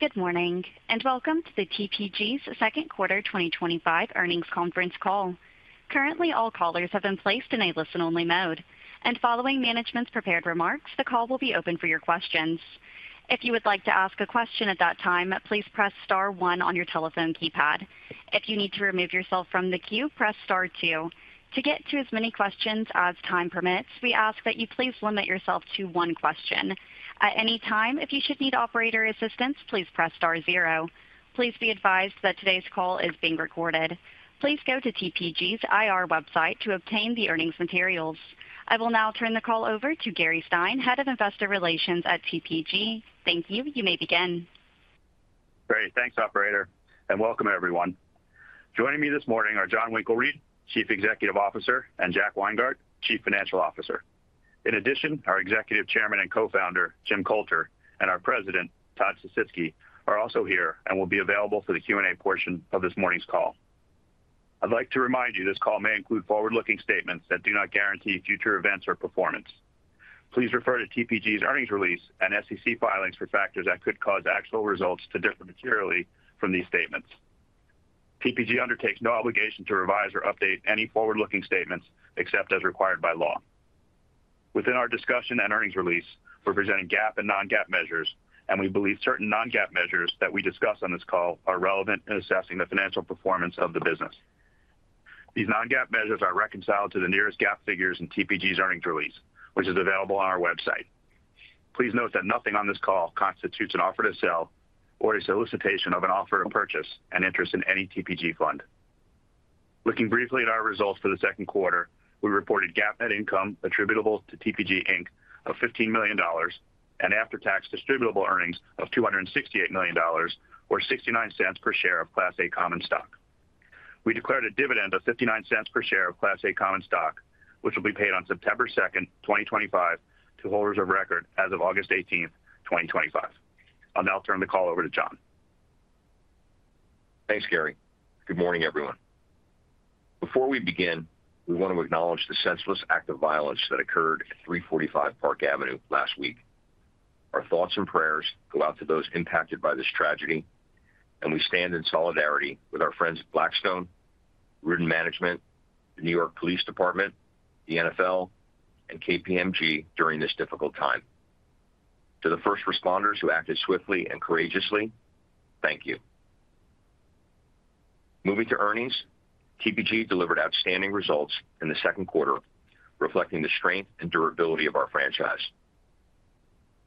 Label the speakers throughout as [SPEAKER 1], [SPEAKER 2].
[SPEAKER 1] Good morning and welcome to TPG's Second Quarter 2025 Earnings Conference Call. Currently, all callers have been placed in a listen-only mode, and following management's prepared remarks, the call will be open for your questions. If you would like to ask a question at that time, please press star one on your telephone keypad. If you need to remove yourself from the queue, press star two. To get to as many questions as time permits, we ask that you please limit yourself to one question. At any time, if you should need operator assistance, please press star zero. Please be advised that today's call is being recorded. Please go to TPG's IR website to obtain the earnings materials. I will now turn the call over to Gary Stein, Head of Investor Relations at TPG. Thank you. You may begin.
[SPEAKER 2] Great, thanks, operator, and welcome, everyone. Joining me this morning are Jon Winkelried, Chief Executive Officer, and Jack Weingart, Chief Financial Officer. In addition, our Executive Chairman and Co-founder, Jim Coulter, and our President, Todd Sisitsky, are also here and will be available for the Q&A portion of this morning's call. I'd like to remind you this call may include forward-looking statements that do not guarantee future events or performance. Please refer to TPG's earnings release and SEC filings for factors that could cause actual results to differ materially from these statements. TPG undertakes no obligation to revise or update any forward-looking statements except as required by law. Within our discussion and earnings release, we're presenting GAAP and non-GAAP measures, and we believe certain non-GAAP measures that we discuss on this call are relevant in assessing the financial performance of the business. These non-GAAP measures are reconciled to the nearest GAAP figures in TPG's earnings release, which is available on our website. Please note that nothing on this call constitutes an offer to sell or a solicitation of an offer to purchase an interest in any TPG fund. Looking briefly at our results for the second quarter, we reported GAAP net income attributable to TPG Inc of $15 million and after-tax distributable earnings of $268 million or $0.69 per share of Class A common stock. We declared a dividend of $0.59 per share of Class A common stock, which will be paid on September 2nd, 2025, to holders of record as of August 18th, 2025. I'll now turn the call over to Jon.
[SPEAKER 3] Thanks, Gary. Good morning, everyone. Before we begin, we want to acknowledge the senseless act of violence that occurred at 345 Park Avenue last week. Our thoughts and prayers go out to those impacted by this tragedy, and we stand in solidarity with our friends at Blackstone, Reardon Management, the New York Police Department, the NFL, and KPMG during this difficult time. To the first responders who acted swiftly and courageously, thank you. Moving to earnings, TPG delivered outstanding results in the second quarter, reflecting the strength and durability of our franchise.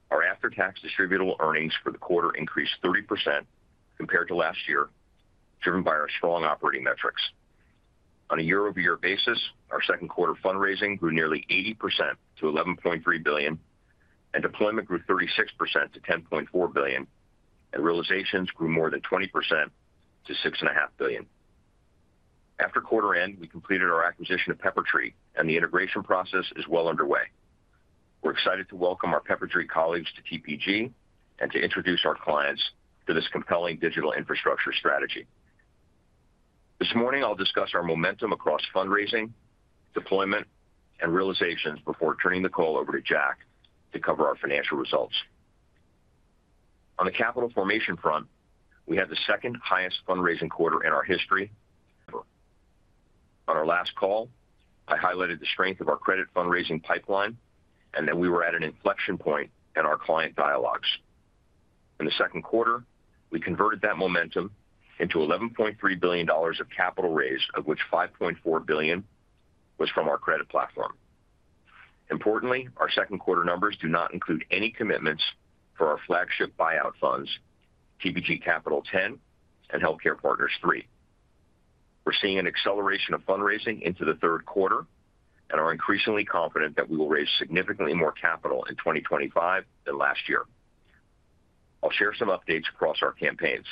[SPEAKER 3] Our after-tax distributable earnings for the quarter increased 30% compared to last year, driven by our strong operating metrics. On a year-over-year basis, our second quarter fundraising grew nearly 80% to $11.3 billion, and deployment grew 36% to $10.4 billion, and realizations grew more than 20% to $6.5 billion. After quarter end, we completed our acquisition of Peppertree, and the integration process is well underway. We're excited to welcome our Peppertree colleagues to TPG and to introduce our clients to this compelling digital infrastructure strategy. This morning, I'll discuss our momentum across fundraising, deployment, and realizations before turning the call over to Jack to cover our financial results. On the capital formation front, we had the second highest fundraising quarter in our history. On our last call, I highlighted the strength of our credit fundraising pipeline and that we were at an inflection point in our client dialogues. In the second quarter, we converted that momentum into $11.3 billion of capital raised, of which $5.4 billion was from our credit platform. Importantly, our second quarter numbers do not include any commitments for our flagship buyout funds, TPG Capital X, and Healthcare Partners III. We're seeing an acceleration of fundraising into the third quarter, and are increasingly confident that we will raise significantly more capital in 2025 than last year. I'll share some updates across our campaigns.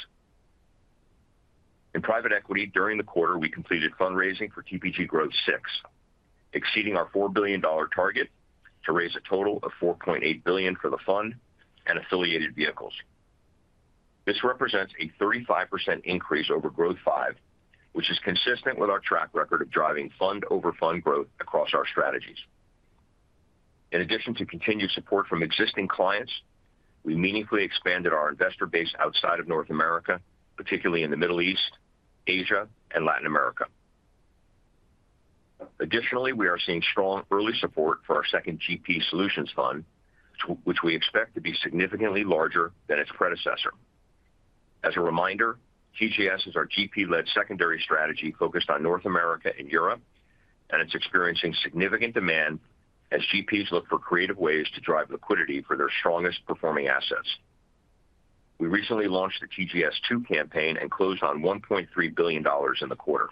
[SPEAKER 3] In private equity, during the quarter, we completed fundraising for TPG Growth VI, exceeding our $4 billion target to raise a total of $4.8 billion for the fund and affiliated vehicles. This represents a 35% increase over Growth V, which is consistent with our track record of driving fund-over-fund growth across our strategies. In addition to continued support from existing clients, we meaningfully expanded our investor base outside of North America, particularly in the Middle East, Asia, and Latin America. Additionally, we are seeing strong early support for our second GP Solutions Fund, which we expect to be significantly larger than its predecessor. As a reminder, TGS is our GP-led secondary strategy focused on North America and Europe, and it's experiencing significant demand as GPs look for creative ways to drive liquidity for their strongest performing assets. We recently launched the TGS2 campaign and closed on $1.3 billion in the quarter.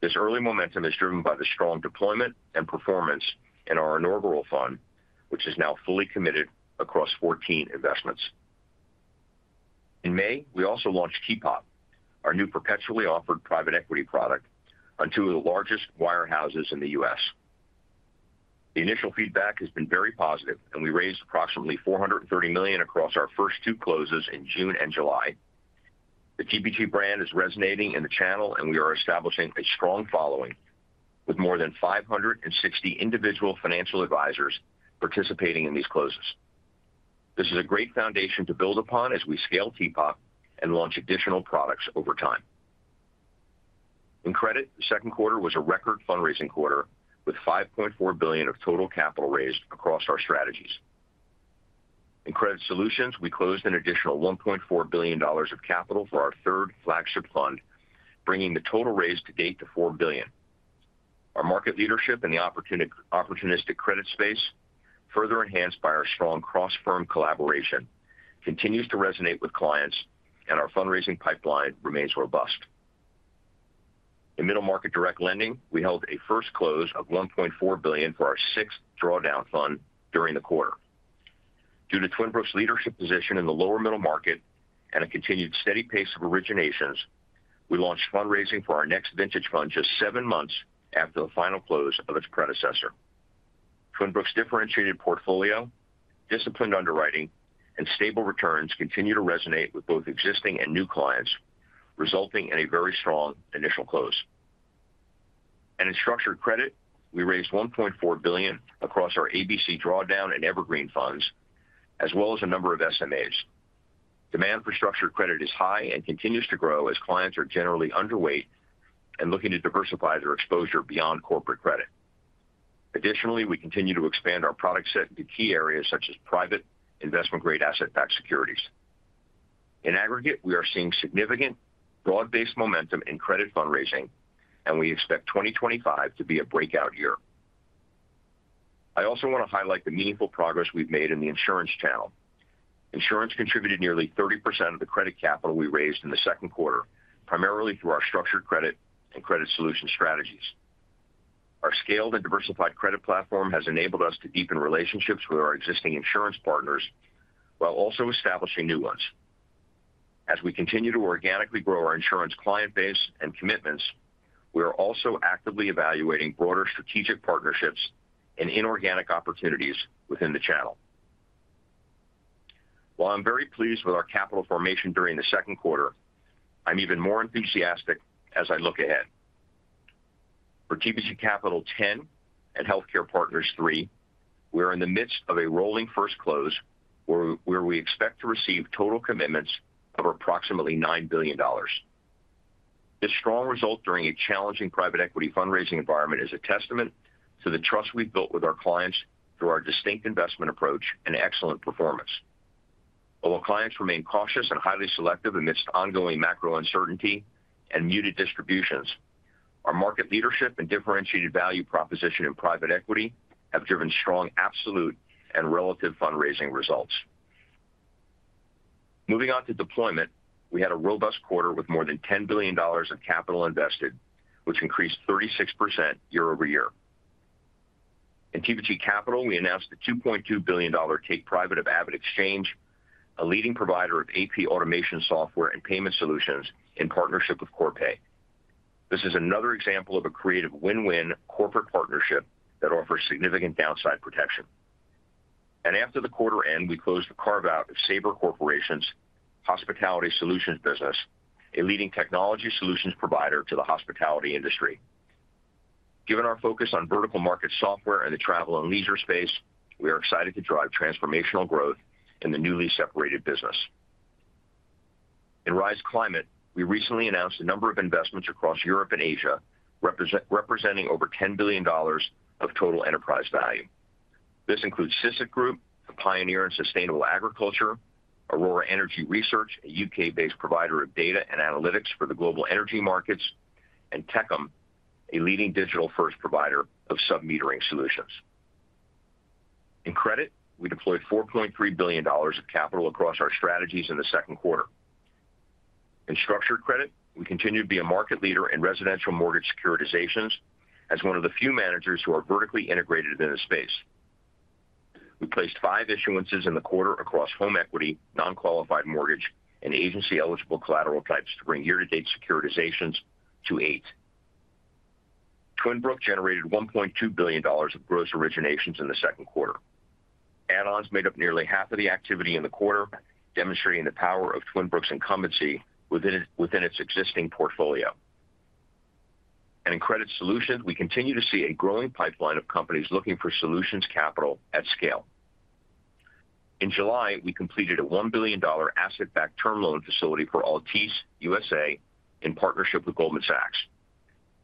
[SPEAKER 3] This early momentum is driven by the strong deployment and performance in our inaugural fund, which is now fully committed across 14 investments. In May, we also launched T-POP, our new perpetually offered private equity product, on two of the largest wire houses in the U.S. The initial feedback has been very positive, and we raised approximately $430 million across our first two closes in June and July. The TPG brand is resonating in the channel, and we are establishing a strong following with more than 560 individual financial advisors participating in these closes. This is a great foundation to build upon as we scale T-POP and launch additional products over time. In credit, the second quarter was a record fundraising quarter with $5.4 billion of total capital raised across our strategies. In credit solutions, we closed an additional $1.4 billion of capital for our third flagship fund, bringing the total raised to date to $4 billion. Our market leadership in the opportunistic credit space, further enhanced by our strong cross-firm collaboration, continues to resonate with clients, and our fundraising pipeline remains robust. In middle market direct lending, we held a first close of $1.4 billion for our sixth drawdown fund during the quarter. Due to Twin Brook's leadership position in the lower middle market and a continued steady pace of originations, we launched fundraising for our next vintage fund just seven months after the final close of its predecessor. Twin Brook's differentiated portfolio, disciplined underwriting, and stable returns continue to resonate with both existing and new clients, resulting in a very strong initial close. In structured credit, we raised $1.4 billion across our ABC drawdown and evergreen funds, as well as a number of SMAs. Demand for structured credit is high and continues to grow as clients are generally underweight and looking to diversify their exposure beyond corporate credit. Additionally, we continue to expand our product set to key areas such as private investment-grade asset-backed securities. In aggregate, we are seeing significant broad-based momentum in credit fundraising, and we expect 2025 to be a breakout year. I also want to highlight the meaningful progress we've made in the insurance channel. Insurance contributed nearly 30% of the credit capital we raised in the second quarter, primarily through our structured credit and credit solution strategies. Our scaled and diversified credit platform has enabled us to deepen relationships with our existing insurance partners while also establishing new ones. As we continue to organically grow our insurance client base and commitments, we are also actively evaluating broader strategic partnerships and inorganic opportunities within the channel. While I'm very pleased with our capital formation during the second quarter, I'm even more enthusiastic as I look ahead. For TPG Capital X and Healthcare Partners III, we are in the midst of a rolling first close where we expect to receive total commitments of approximately $9 billion. This strong result during a challenging private equity fundraising environment is a testament to the trust we've built with our clients through our distinct investment approach and excellent performance. Although clients remain cautious and highly selective amidst ongoing macro uncertainty and muted distributions, our market leadership and differentiated value proposition in private equity have driven strong absolute and relative fundraising results. Moving on to deployment, we had a robust quarter with more than $10 billion of capital invested, which increased 36% year-over-year. In TPG Capital, we announced the $2.2 billion take-private of AvidXchange, a leading provider of AP automation software and payment solutions in partnership with Corpay. This is another example of a creative win-win corporate partnership that offers significant downside protection. After the quarter end, we closed the carve-out of Sabre Corporation's hospitality solutions business, a leading technology solutions provider to the hospitality industry. Given our focus on vertical market software and the travel and leisure space, we are excited to drive transformational growth in the newly separated business. In Rise Climate, we recently announced a number of investments across Europe and Asia, representing over $10 billion of total enterprise value. This includes SICIT Group, a pioneer in sustainable agriculture, Aurora Energy Research, a U.K.-based provider of data and analytics for the global energy markets, and Techem, a leading digital-first provider of submetering solutions. In credit, we deployed $4.3 billion of capital across our strategies in the second quarter. In structured credit, we continue to be a market leader in residential mortgage securitizations as one of the few managers who are vertically integrated in this space. We placed five issuances in the quarter across home equity, non-qualified mortgage, and agency-eligible collateral types to bring year-to-date securitizations to eight. Twin Brook generated $1.2 billion of gross originations in the second quarter. Add-ons made up nearly half of the activity in the quarter, demonstrating the power of Twin Brook's incumbency within its existing portfolio. In credit solutions, we continue to see a growing pipeline of companies looking for solutions capital at scale. In July, we completed a $1 billion asset-backed term loan facility for Altice USA in partnership with Goldman Sachs.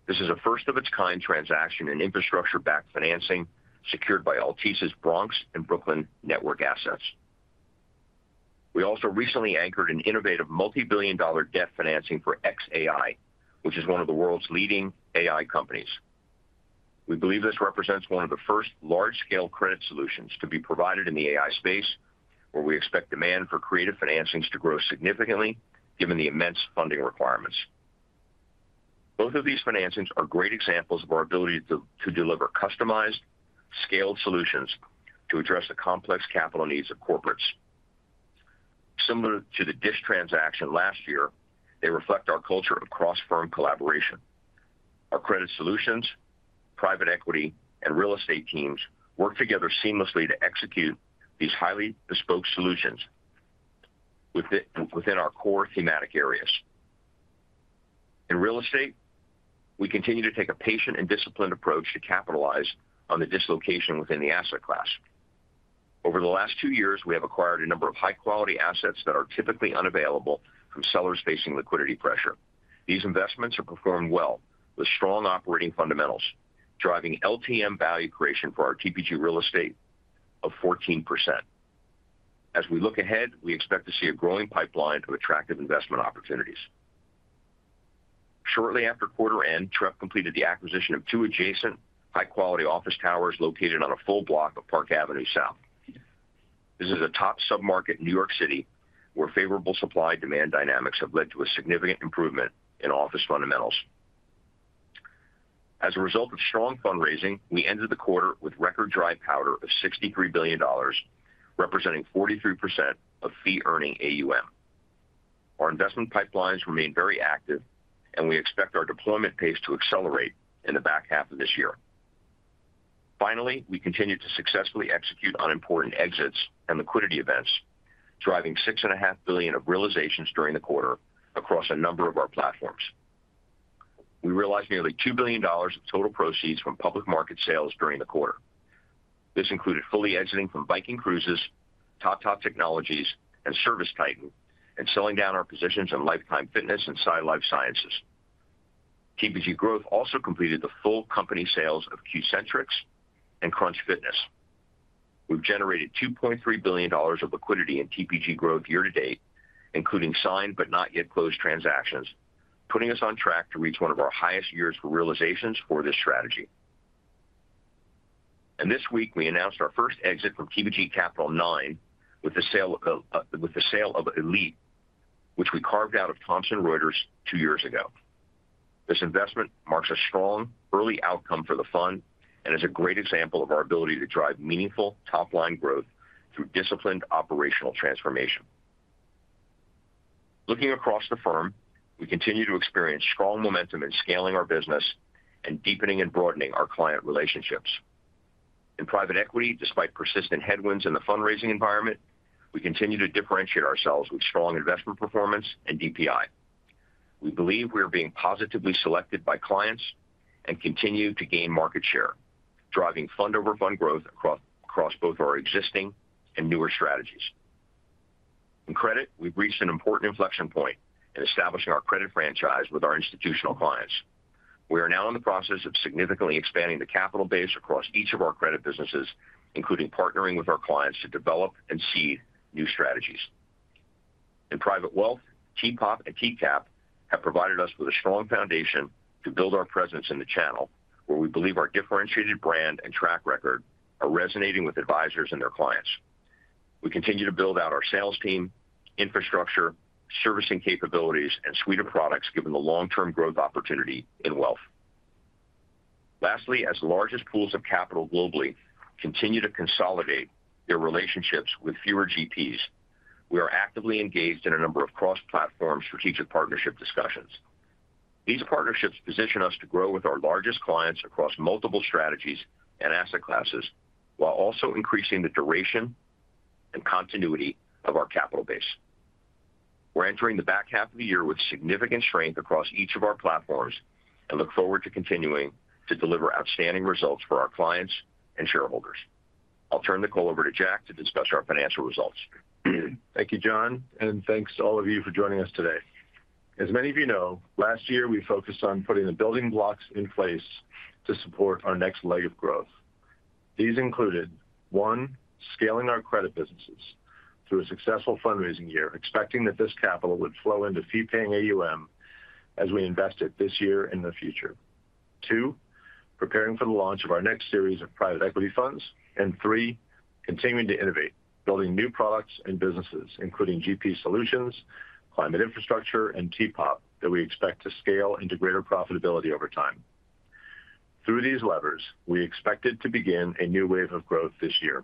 [SPEAKER 3] This is a first-of-its-kind transaction in infrastructure-backed financing secured by Altice USA's Bronx and Brooklyn network assets. We also recently anchored an innovative multi-billion dollar debt financing for xAI, which is one of the world's leading AI companies. We believe this represents one of the first large-scale credit solutions to be provided in the AI space, where we expect demand for creative financings to grow significantly given the immense funding requirements. Both of these financings are great examples of our ability to deliver customized, scaled solutions to address the complex capital needs of corporates. Similar to the DISH transaction last year, they reflect our culture of cross-firm collaboration. Our credit solutions, private equity, and real estate teams work together seamlessly to execute these highly bespoke solutions within our core thematic areas. In real estate, we continue to take a patient and disciplined approach to capitalize on the dislocation within the asset class. Over the last two years, we have acquired a number of high-quality assets that are typically unavailable from sellers facing liquidity pressure. These investments have performed well with strong operating fundamentals, driving LTM value creation for our TPG real estate of 14%. As we look ahead, we expect to see a growing pipeline of attractive investment opportunities. Shortly after quarter end, TREP completed the acquisition of two adjacent high-quality office towers located on a full block of Park Avenue South. This is a top submarket in New York City, where favorable supply-demand dynamics have led to a significant improvement in office fundamentals. As a result of strong fundraising, we ended the quarter with record dry powder of $63 billion, representing 43% of fee-earning AUM. Our investment pipelines remain very active, and we expect our deployment pace to accelerate in the back half of this year. Finally, we continue to successfully execute on important exits and liquidity events, driving $6.5 billion of realizations during the quarter across a number of our platforms. We realized nearly $2 billion of total proceeds from public market sales during the quarter. This included fully exiting from Viking Cruises, Topgolf Technologies, and ServiceTitan, and selling down our positions in Life Time Fitness and Side Life Sciences. TPG Growth also completed the full company sales of Q-Centrix and Crunch Fitness. We've generated $2.3 billion of liquidity in TPG Growth year to date, including signed but not yet closed transactions, putting us on track to reach one of our highest years for realizations for this strategy. This week, we announced our first exit from TPG Capital IX with the sale of Elite, which we carved out of Thomson Reuters two years ago. This investment marks a strong early outcome for the fund and is a great example of our ability to drive meaningful top-line growth through disciplined operational transformation. Looking across the firm, we continue to experience strong momentum in scaling our business and deepening and broadening our client relationships. In private equity, despite persistent headwinds in the fundraising environment, we continue to differentiate ourselves with strong investment performance and DPI. We believe we are being positively selected by clients and continue to gain market share, driving fund-over-fund growth across both our existing and newer strategies. In credit, we've reached an important inflection point in establishing our credit franchise with our institutional clients. We are now in the process of significantly expanding the capital base across each of our credit businesses, including partnering with our clients to develop and seed new strategies. In private wealth, T-POP and TCAP have provided us with a strong foundation to build our presence in the channel, where we believe our differentiated brand and track record are resonating with advisors and their clients. We continue to build out our sales team, infrastructure, servicing capabilities, and suite of products, given the long-term growth opportunity in wealth. Lastly, as the largest pools of capital globally continue to consolidate their relationships with fewer GPs, we are actively engaged in a number of cross-platform strategic partnership discussions. These partnerships position us to grow with our largest clients across multiple strategies and asset classes, while also increasing the duration and continuity of our capital base. We're entering the back half of the year with significant strength across each of our platforms and look forward to continuing to deliver outstanding results for our clients and shareholders. I'll turn the call over to Jack to discuss our financial results.
[SPEAKER 4] Thank you, Jon, and thanks to all of you for joining us today. As many of you know, last year we focused on putting the building blocks in place to support our next leg of growth. These included: one, scaling our credit businesses through a successful fundraising year, expecting that this capital would flow into fee-paying AUM as we invest it this year and in the future; two, preparing for the launch of our next series of private equity funds; and three, continuing to innovate, building new products and businesses, including GP Solutions, Climate Infrastructure, and T-POP that we expect to scale into greater profitability over time. Through these levers, we expected to begin a new wave of growth this year.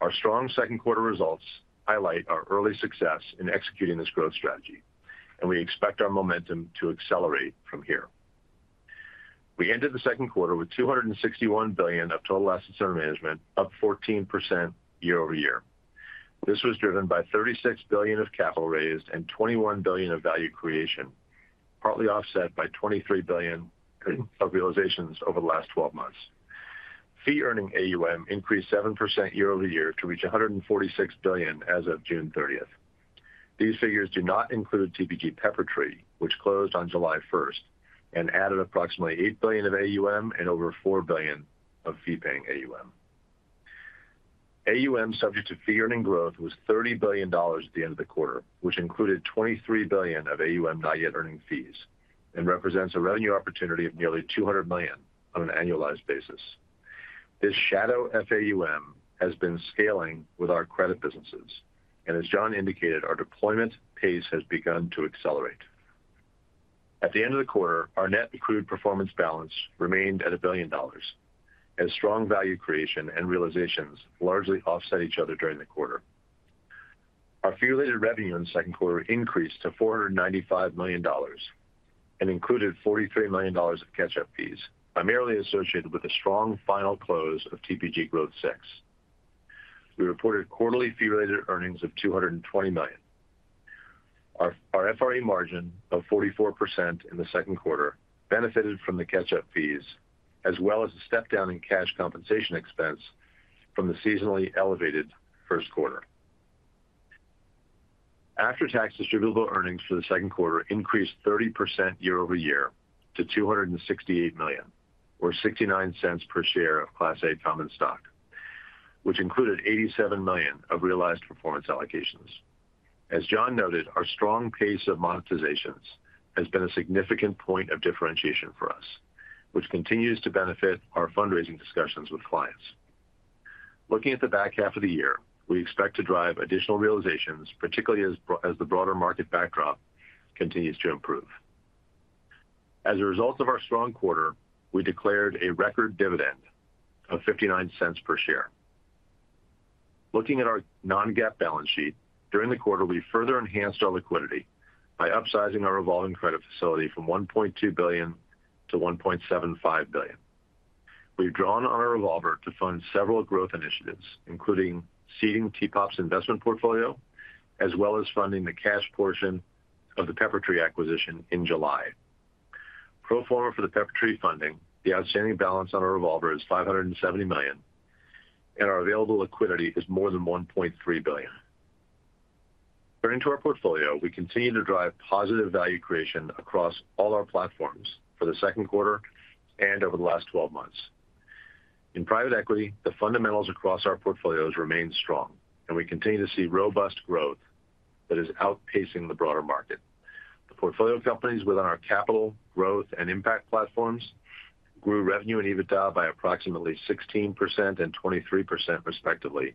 [SPEAKER 4] Our strong second quarter results highlight our early success in executing this growth strategy, and we expect our momentum to accelerate from here. We ended the second quarter with $261 billion of total assets under management, up 14% year-over-year. This was driven by $36 billion of capital raised and $21 billion of value creation, partly offset by $23 billion of realizations over the last 12 months. Fee-earning AUM increased 7% year-over-year to reach $146 billion as of June 30th. These figures do not include TPG Peppertree, which closed on July 1st and added approximately $8 billion of AUM and over $4 billion of fee-paying AUM. AUM subject to fee-earning growth was $30 billion at the end of the quarter, which included $23 billion of AUM not yet earning fees and represents a revenue opportunity of nearly $200 million on an annualized basis. This shadow FAUM has been scaling with our credit businesses, and as Jon indicated, our deployment pace has begun to accelerate. At the end of the quarter, our net accrued performance balance remained at $1 billion, and strong value creation and realizations largely offset each other during the quarter. Our fee-related revenue in the second quarter increased to $495 million and included $43 million of catch-up fees, primarily associated with a strong final close of TPG Growth VI. We reported quarterly fee-related earnings of $220 million. Our FRE margin of 44% in the second quarter benefited from the catch-up fees, as well as a step-down in cash compensation expense from the seasonally elevated first quarter. After-tax distributable earnings for the second quarter increased 30% year-over-year to $268 million, or $0.69 per share of Class A common stock, which included $87 million of realized performance allocations. As Jon noted, our strong pace of monetizations has been a significant point of differentiation for us, which continues to benefit our fundraising discussions with clients. Looking at the back half of the year, we expect to drive additional realizations, particularly as the broader market backdrop continues to improve. As a result of our strong quarter, we declared a record dividend of $0.59 per share. Looking at our non-GAAP balance sheet, during the quarter, we further enhanced our liquidity by upsizing our revolving credit facility from $1.2 billion to $1.75 billion. We've drawn on a revolver to fund several growth initiatives, including seeding T-POP's investment portfolio, as well as funding the cash portion of the Peppertree acquisition in July. Pro forma for the Peppertree funding, the outstanding balance on a revolver is $570 million, and our available liquidity is more than $1.3 billion. Turning to our portfolio, we continue to drive positive value creation across all our platforms for the second quarter and over the last 12 months. In private equity, the fundamentals across our portfolios remain strong, and we continue to see robust growth that is outpacing the broader market. The portfolio companies within our capital growth and impact platforms grew revenue and EBITDA by approximately 16% and 23% respectively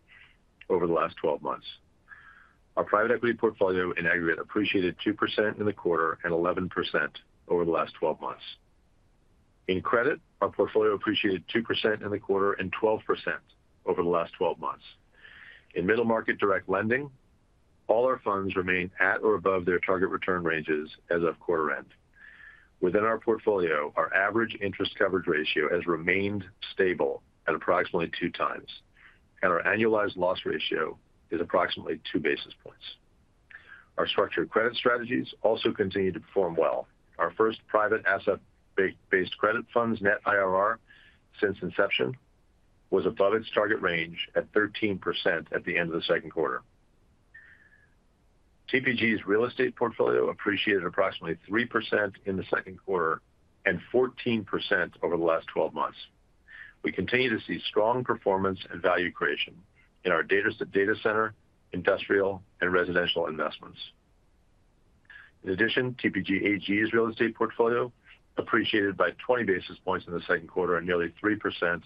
[SPEAKER 4] over the last 12 months. Our private equity portfolio in aggregate appreciated 2% in the quarter and 11% over the last 12 months. In credit, our portfolio appreciated 2% in the quarter and 12% over the last 12 months. In middle market direct lending, all our funds remain at or above their target return ranges as of quarter end. Within our portfolio, our average interest coverage ratio has remained stable at approximately 2x, and our annualized loss ratio is approximately 2 basis points. Our structured credit strategies also continue to perform well. Our first private asset-based credit fund's net IRR since inception was above its target range at 13% at the end of the second quarter. TPG's real estate portfolio appreciated approximately 3% in the second quarter and 14% over the last 12 months. We continue to see strong performance and value creation in our data center, industrial, and residential investments. In addition, TPG AG's real estate portfolio appreciated by 20 basis points in the second quarter and nearly 3%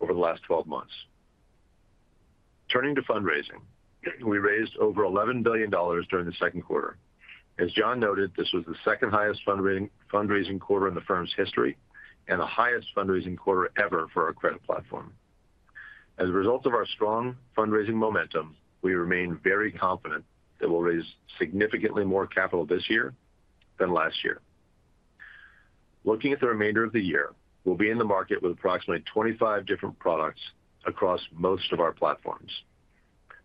[SPEAKER 4] over the last 12 months. Turning to fundraising, we raised over $11 billion during the second quarter. As Jon noted, this was the second highest fundraising quarter in the firm's history and the highest fundraising quarter ever for our credit platform. As a result of our strong fundraising momentum, we remain very confident that we'll raise significantly more capital this year than last year. Looking at the remainder of the year, we'll be in the market with approximately 25 different products across most of our platforms.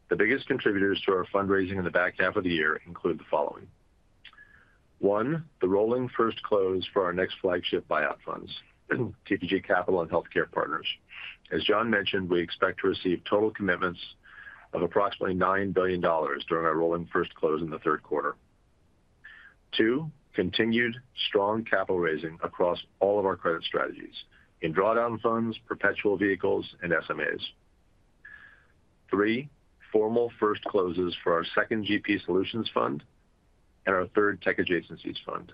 [SPEAKER 4] The biggest contributors to our fundraising in the back half of the year include the following: one, the rolling first close for our next flagship buyout funds, TPG Capital and Healthcare Partners. As Jon mentioned, we expect to receive total commitments of approximately $9 billion during our rolling first close in the third quarter; two, continued strong capital raising across all of our credit strategies in drawdown funds, perpetual vehicles, and SMAs; three, formal first closes for our second GP Solutions Fund and our third Tech Adjacencies fund,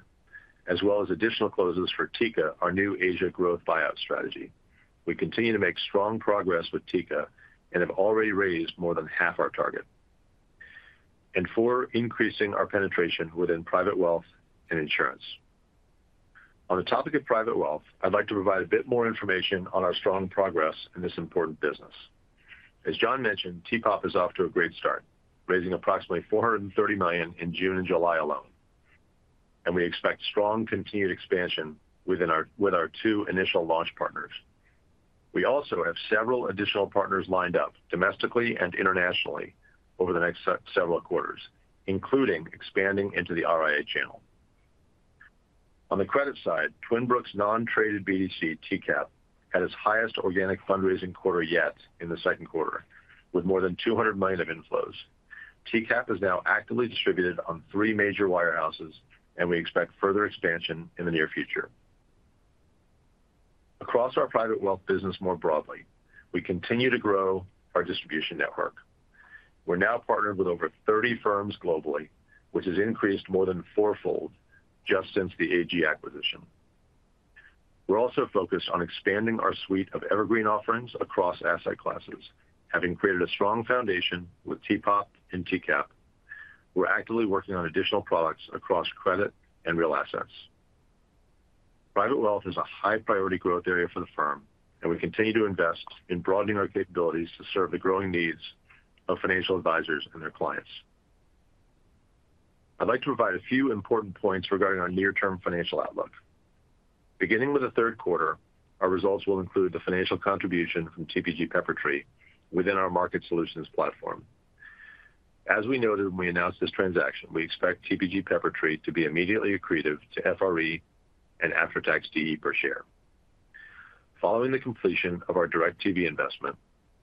[SPEAKER 4] as well as additional closes for TICA, our new Asia growth buyout strategy. We continue to make strong progress with TICA and have already raised more than half our target, and four, increasing our penetration within private wealth and insurance. On the topic of private wealth, I'd like to provide a bit more information on our strong progress in this important business. As Jon mentioned, T-POP is off to a great start, raising approximately $430 million in June and July alone, and we expect strong continued expansion with our two initial launch partners. We also have several additional partners lined up domestically and internationally over the next several quarters, including expanding into the RIA channel. On the credit side, Twin Brook's non-traded BDC, TCAP, had its highest organic fundraising quarter yet in the second quarter, with more than $200 million of inflows. TCAP is now actively distributed on three major wirehouses, and we expect further expansion in the near future. Across our private wealth business more broadly, we continue to grow our distribution network. We're now partnered with over 30 firms globally, which has increased more than fourfold just since the AG acquisition. We're also focused on expanding our suite of evergreen offerings across asset classes, having created a strong foundation with T-POP and TCAP. We're actively working on additional products across credit and real assets. Private wealth is a high-priority growth area for the firm, and we continue to invest in broadening our capabilities to serve the growing needs of financial advisors and their clients. I'd like to provide a few important points regarding our near-term financial outlook. Beginning with the third quarter, our results will include the financial contribution from TPG Peppertree within our market solutions platform. As we noted when we announced this transaction, we expect TPG Peppertree to be immediately accretive to FRE and after-tax DE per share. Following the completion of our Direct TV investment,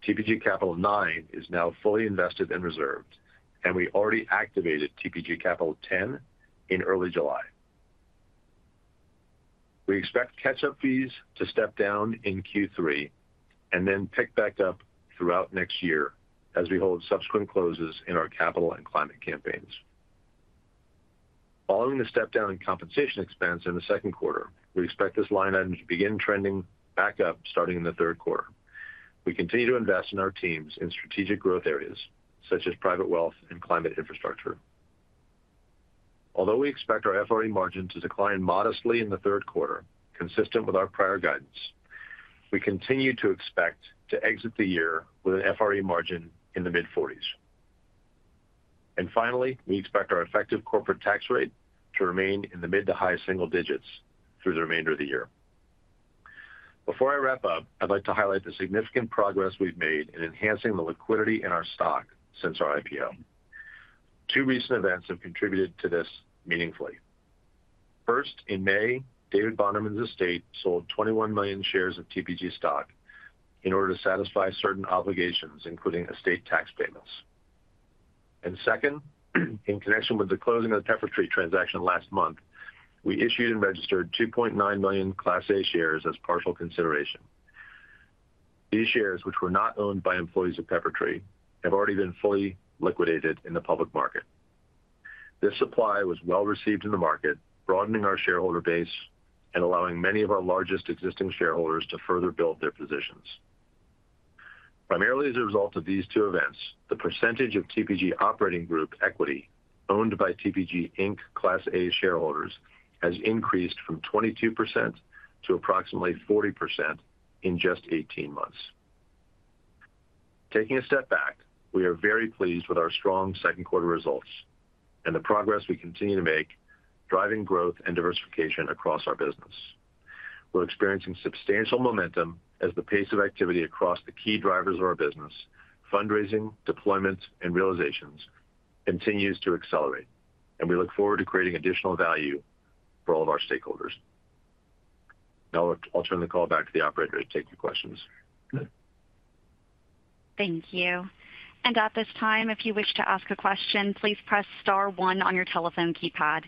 [SPEAKER 4] TPG Capital IX is now fully invested in reserves, and we already activated TPG Capital X in early July. We expect catch-up fees to step down in Q3 and then pick back up throughout next year as we hold subsequent closes in our capital and climate campaigns. Following the step-down in compensation expense in the second quarter, we expect this line item to begin trending back up starting in the third quarter. We continue to invest in our teams in strategic growth areas such as private wealth and climate infrastructure. Although we expect our FRE margins to decline modestly in the third quarter, consistent with our prior guidance, we continue to expect to exit the year with an FRE margin in the mid-40%. Finally, we expect our effective corporate tax rate to remain in the mid to high single digits through the remainder of the year. Before I wrap up, I'd like to highlight the significant progress we've made in enhancing the liquidity in our stock since our IPO. Two recent events have contributed to this meaningfully. First, in May, David Baumgarten's estate sold 21 million shares of TPG stock in order to satisfy certain obligations, including estate tax payments. Second, in connection with the closing of the Peppertree transaction last month, we issued and registered 2.9 million Class A shares as partial consideration. These shares, which were not owned by employees of Peppertree, have already been fully liquidated in the public market. This supply was well received in the market, broadening our shareholder base and allowing many of our largest existing shareholders to further build their positions. Primarily as a result of these two events, the percentage of TPG operating group equity owned by TPG Inc Class A shareholders has increased from 22% to approximately 40% in just 18 months. Taking a step back, we are very pleased with our strong second quarter results and the progress we continue to make, driving growth and diversification across our business. We're experiencing substantial momentum as the pace of activity across the key drivers of our business, fundraising, deployment, and realizations continues to accelerate, and we look forward to creating additional value for all of our stakeholders. Now I'll turn the call back to the operator to take your questions.
[SPEAKER 1] Thank you. At this time, if you wish to ask a question, please press star one on your telephone keypad.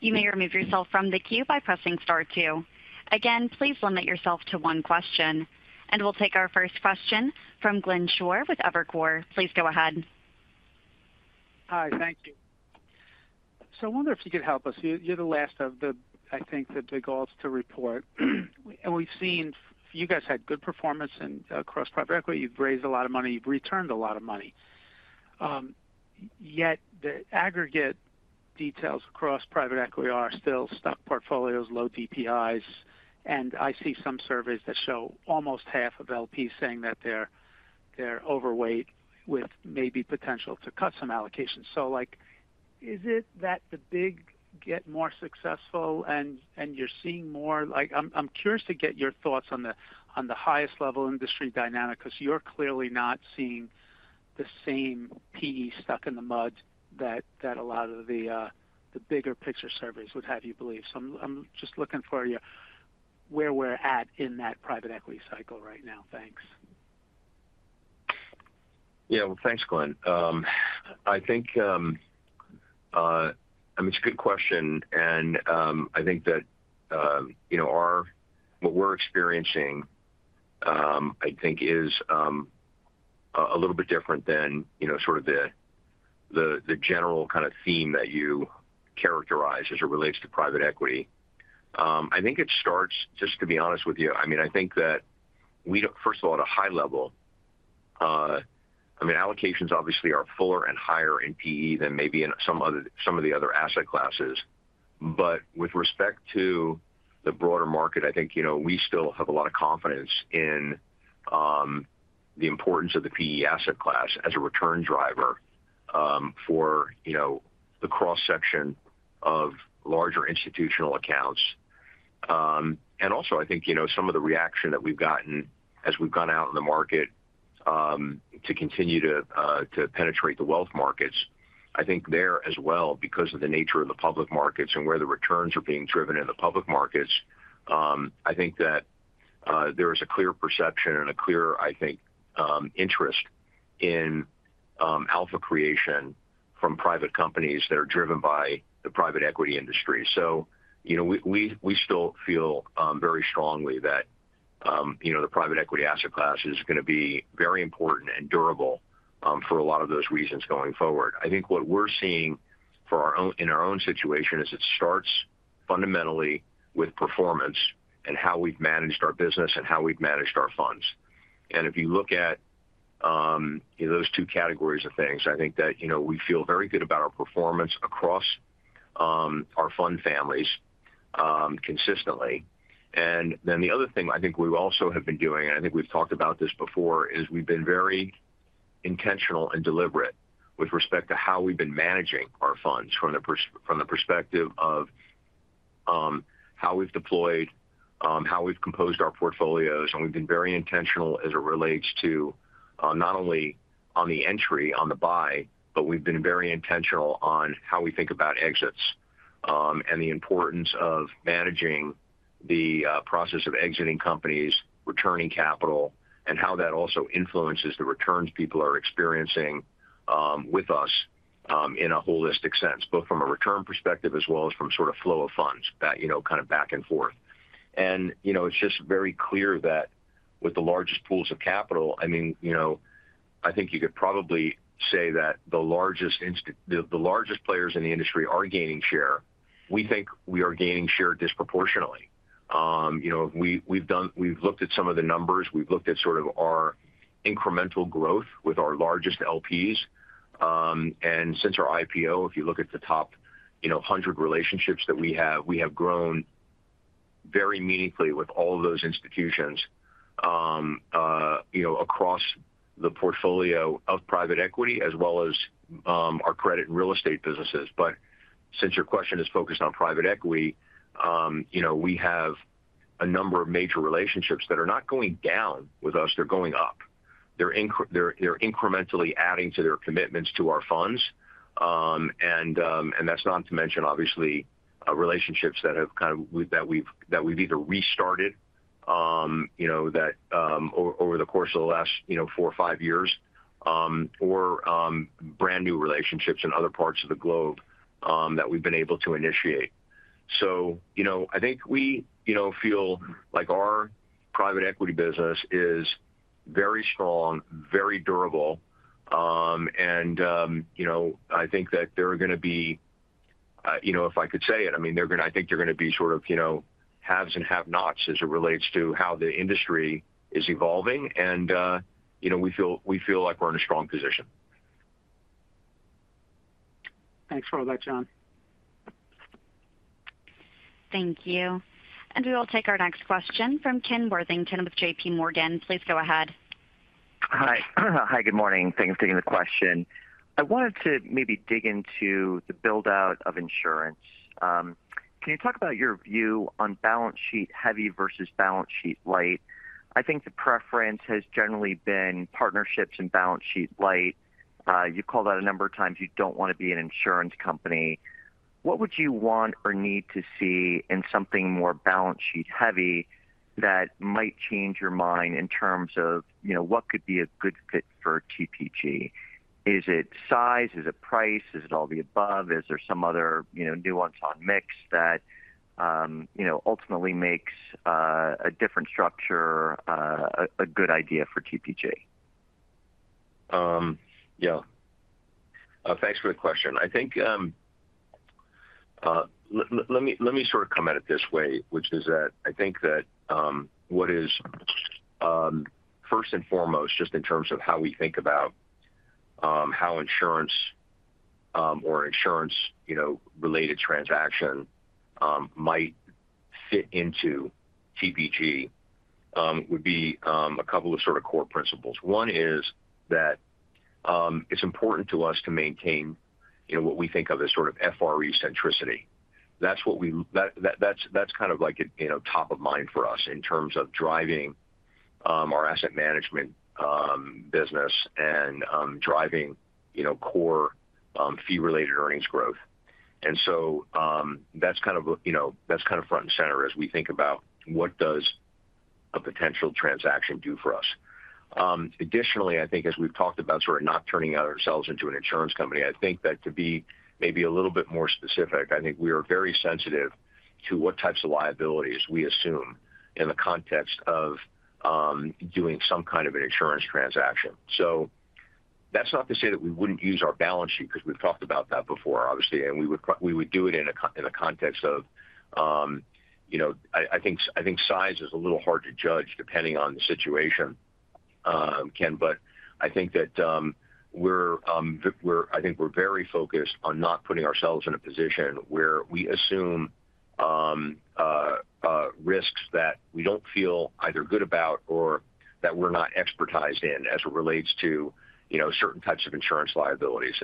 [SPEAKER 1] You may remove yourself from the queue by pressing star two. Again, please limit yourself to one question, and we'll take our first question from Glenn Schorr with Evercore. Please go ahead.
[SPEAKER 5] Hi, thank you. I wonder if you could help us. You're the last of the, I think, the group to report. We've seen you guys had good performance in cross-private equity. You've raised a lot of money. You've returned a lot of money. Yet the aggregate details across private equity are still stock portfolios, low DPIs, and I see some surveys that show almost half of LPs saying that they're overweight with maybe potential to cut some allocations. Is it that the big get more successful and you're seeing more? I'm curious to get your thoughts on the highest level industry dynamic because you're clearly not seeing the same PE stuck in the mud that a lot of the bigger picture surveys would have you believe. I'm just looking for you where we're at in that private equity cycle right now. Thanks.
[SPEAKER 3] Thanks, Glenn. I think it's a good question, and I think that what we're experiencing is a little bit different than the general kind of theme that you characterize as it relates to private equity. I think it starts, just to be honest with you, we don't, first of all, at a high level, allocations obviously are fuller and higher in private equity than maybe in some of the other asset classes. With respect to the broader market, we still have a lot of confidence in the importance of the private equity asset class as a return driver for the cross-section of larger institutional accounts. Also, some of the reaction that we've gotten as we've gone out in the market to continue to penetrate the wealth markets, there as well, because of the nature of the public markets and where the returns are being driven in the public markets, there is a clear perception and a clear interest in alpha creation from private companies that are driven by the private equity industry. We still feel very strongly that the private equity asset class is going to be very important and durable for a lot of those reasons going forward. What we're seeing in our own situation is it starts fundamentally with performance and how we've managed our business and how we've managed our funds. If you look at those two categories of things, we feel very good about our performance across our fund families consistently. The other thing we also have been doing, and I think we've talked about this before, is we've been very intentional and deliberate with respect to how we've been managing our funds from the perspective of how we've deployed, how we've composed our portfolios, and we've been very intentional as it relates to not only on the entry, on the buy, but we've been very intentional on how we think about exits and the importance of managing the process of exiting companies, returning capital, and how that also influences the returns people are experiencing with us in a holistic sense, both from a return perspective as well as from sort of flow of funds, that kind of back and forth. It's just very clear that with the largest pools of capital, I think you could probably say that the largest players in the industry are gaining share. We think we are gaining share disproportionately. We've looked at some of the numbers. We've looked at sort of our incremental growth with our largest LPs. Since our IPO, if you look at the top 100 relationships that we have, we have grown very meaningfully with all of those institutions across the portfolio of private equity as well as our credit and real estate businesses. Since your question is focused on private equity, we have a number of major relationships that are not going down with us. They're going up. They're incrementally adding to their commitments to our funds. That's not to mention, obviously, relationships that have kind of, that we've either restarted over the course of the last four or five years, or brand new relationships in other parts of the globe that we've been able to initiate. I think we feel like our private equity business is very strong, very durable. I think that they're going to be, if I could say it, I mean, I think they're going to be sort of haves and have-nots as it relates to how the industry is evolving. We feel like we're in a strong position.
[SPEAKER 5] Thanks for all that, Jon.
[SPEAKER 1] Thank you. We will take our next question from Ken Worthington with JPMorgan. Please go ahead.
[SPEAKER 6] Hi, good morning. Thanks for taking the question. I wanted to maybe dig into the build-out of insurance. Can you talk about your view on balance sheet heavy versus balance sheet light? I think the preference has generally been partnerships and balance sheet light. You call that a number of times. You don't want to be an insurance company. What would you want or need to see in something more balance sheet heavy that might change your mind in terms of, you know, what could be a good fit for TPG? Is it size? Is it price? Is it all the above? Is there some other nuance on mix that ultimately makes a different structure a good idea for TPG?
[SPEAKER 3] Yeah. Thanks for the question. I think let me sort of come at it this way, which is that I think that what is first and foremost, just in terms of how we think about how insurance or insurance-related transaction might fit into TPG would be a couple of sort of core principles. One is that it's important to us to maintain, you know, what we think of as sort of FRE centricity. That's what we, that's kind of like a top of mind for us in terms of driving our asset management business and driving, you know, core fee-related earnings growth. That's kind of, you know, that's kind of front and center as we think about what does a potential transaction do for us. Additionally, I think as we've talked about sort of not turning ourselves into an insurance company, I think that to be maybe a little bit more specific, I think we are very sensitive to what types of liabilities we assume in the context of doing some kind of an insurance transaction. That's not to say that we wouldn't use our balance sheet because we've talked about that before, obviously, and we would do it in the context of, you know, I think size is a little hard to judge depending on the situation, Ken. I think that we're, I think we're very focused on not putting ourselves in a position where we assume risks that we don't feel either good about or that we're not expertised in as it relates to, you know, certain types of insurance liabilities.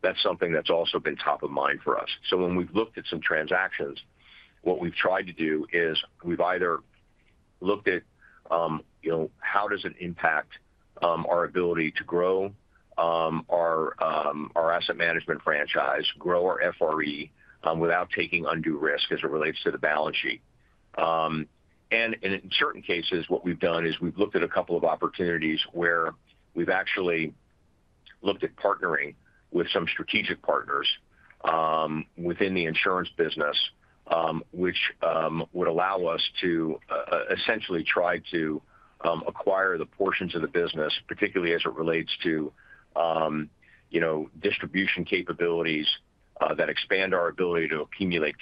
[SPEAKER 3] That's something that's also been top of mind for us. When we've looked at some transactions, what we've tried to do is we've either looked at, you know, how does it impact our ability to grow our asset management franchise, grow our FRE without taking undue risk as it relates to the balance sheet. In certain cases, what we've done is we've looked at a couple of opportunities where we've actually looked at partnering with some strategic partners within the insurance business, which would allow us to essentially try to acquire the portions of the business, particularly as it relates to, you know, distribution capabilities that expand our ability to accumulate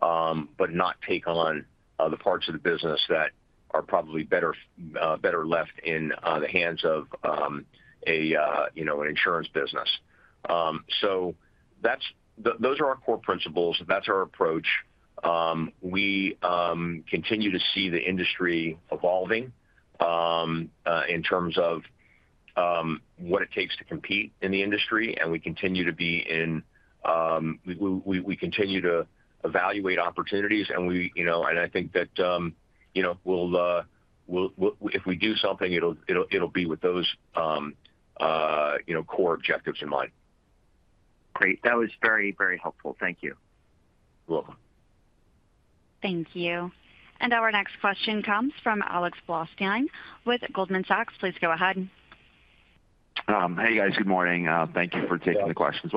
[SPEAKER 3] capital, but not take on the parts of the business that are probably better left in the hands of an insurance business. Those are our core principles. That's our approach. We continue to see the industry evolving in terms of what it takes to compete in the industry, and we continue to evaluate opportunities. I think that, you know, if we do something, it'll be with those, you know, core objectives in mind.
[SPEAKER 6] Great. That was very, very helpful. Thank you.
[SPEAKER 3] You're welcome.
[SPEAKER 1] Thank you. Our next question comes from Alex Blostein with Goldman Sachs. Please go ahead.
[SPEAKER 7] Hey, guys. Good morning. Thank you for taking the questions.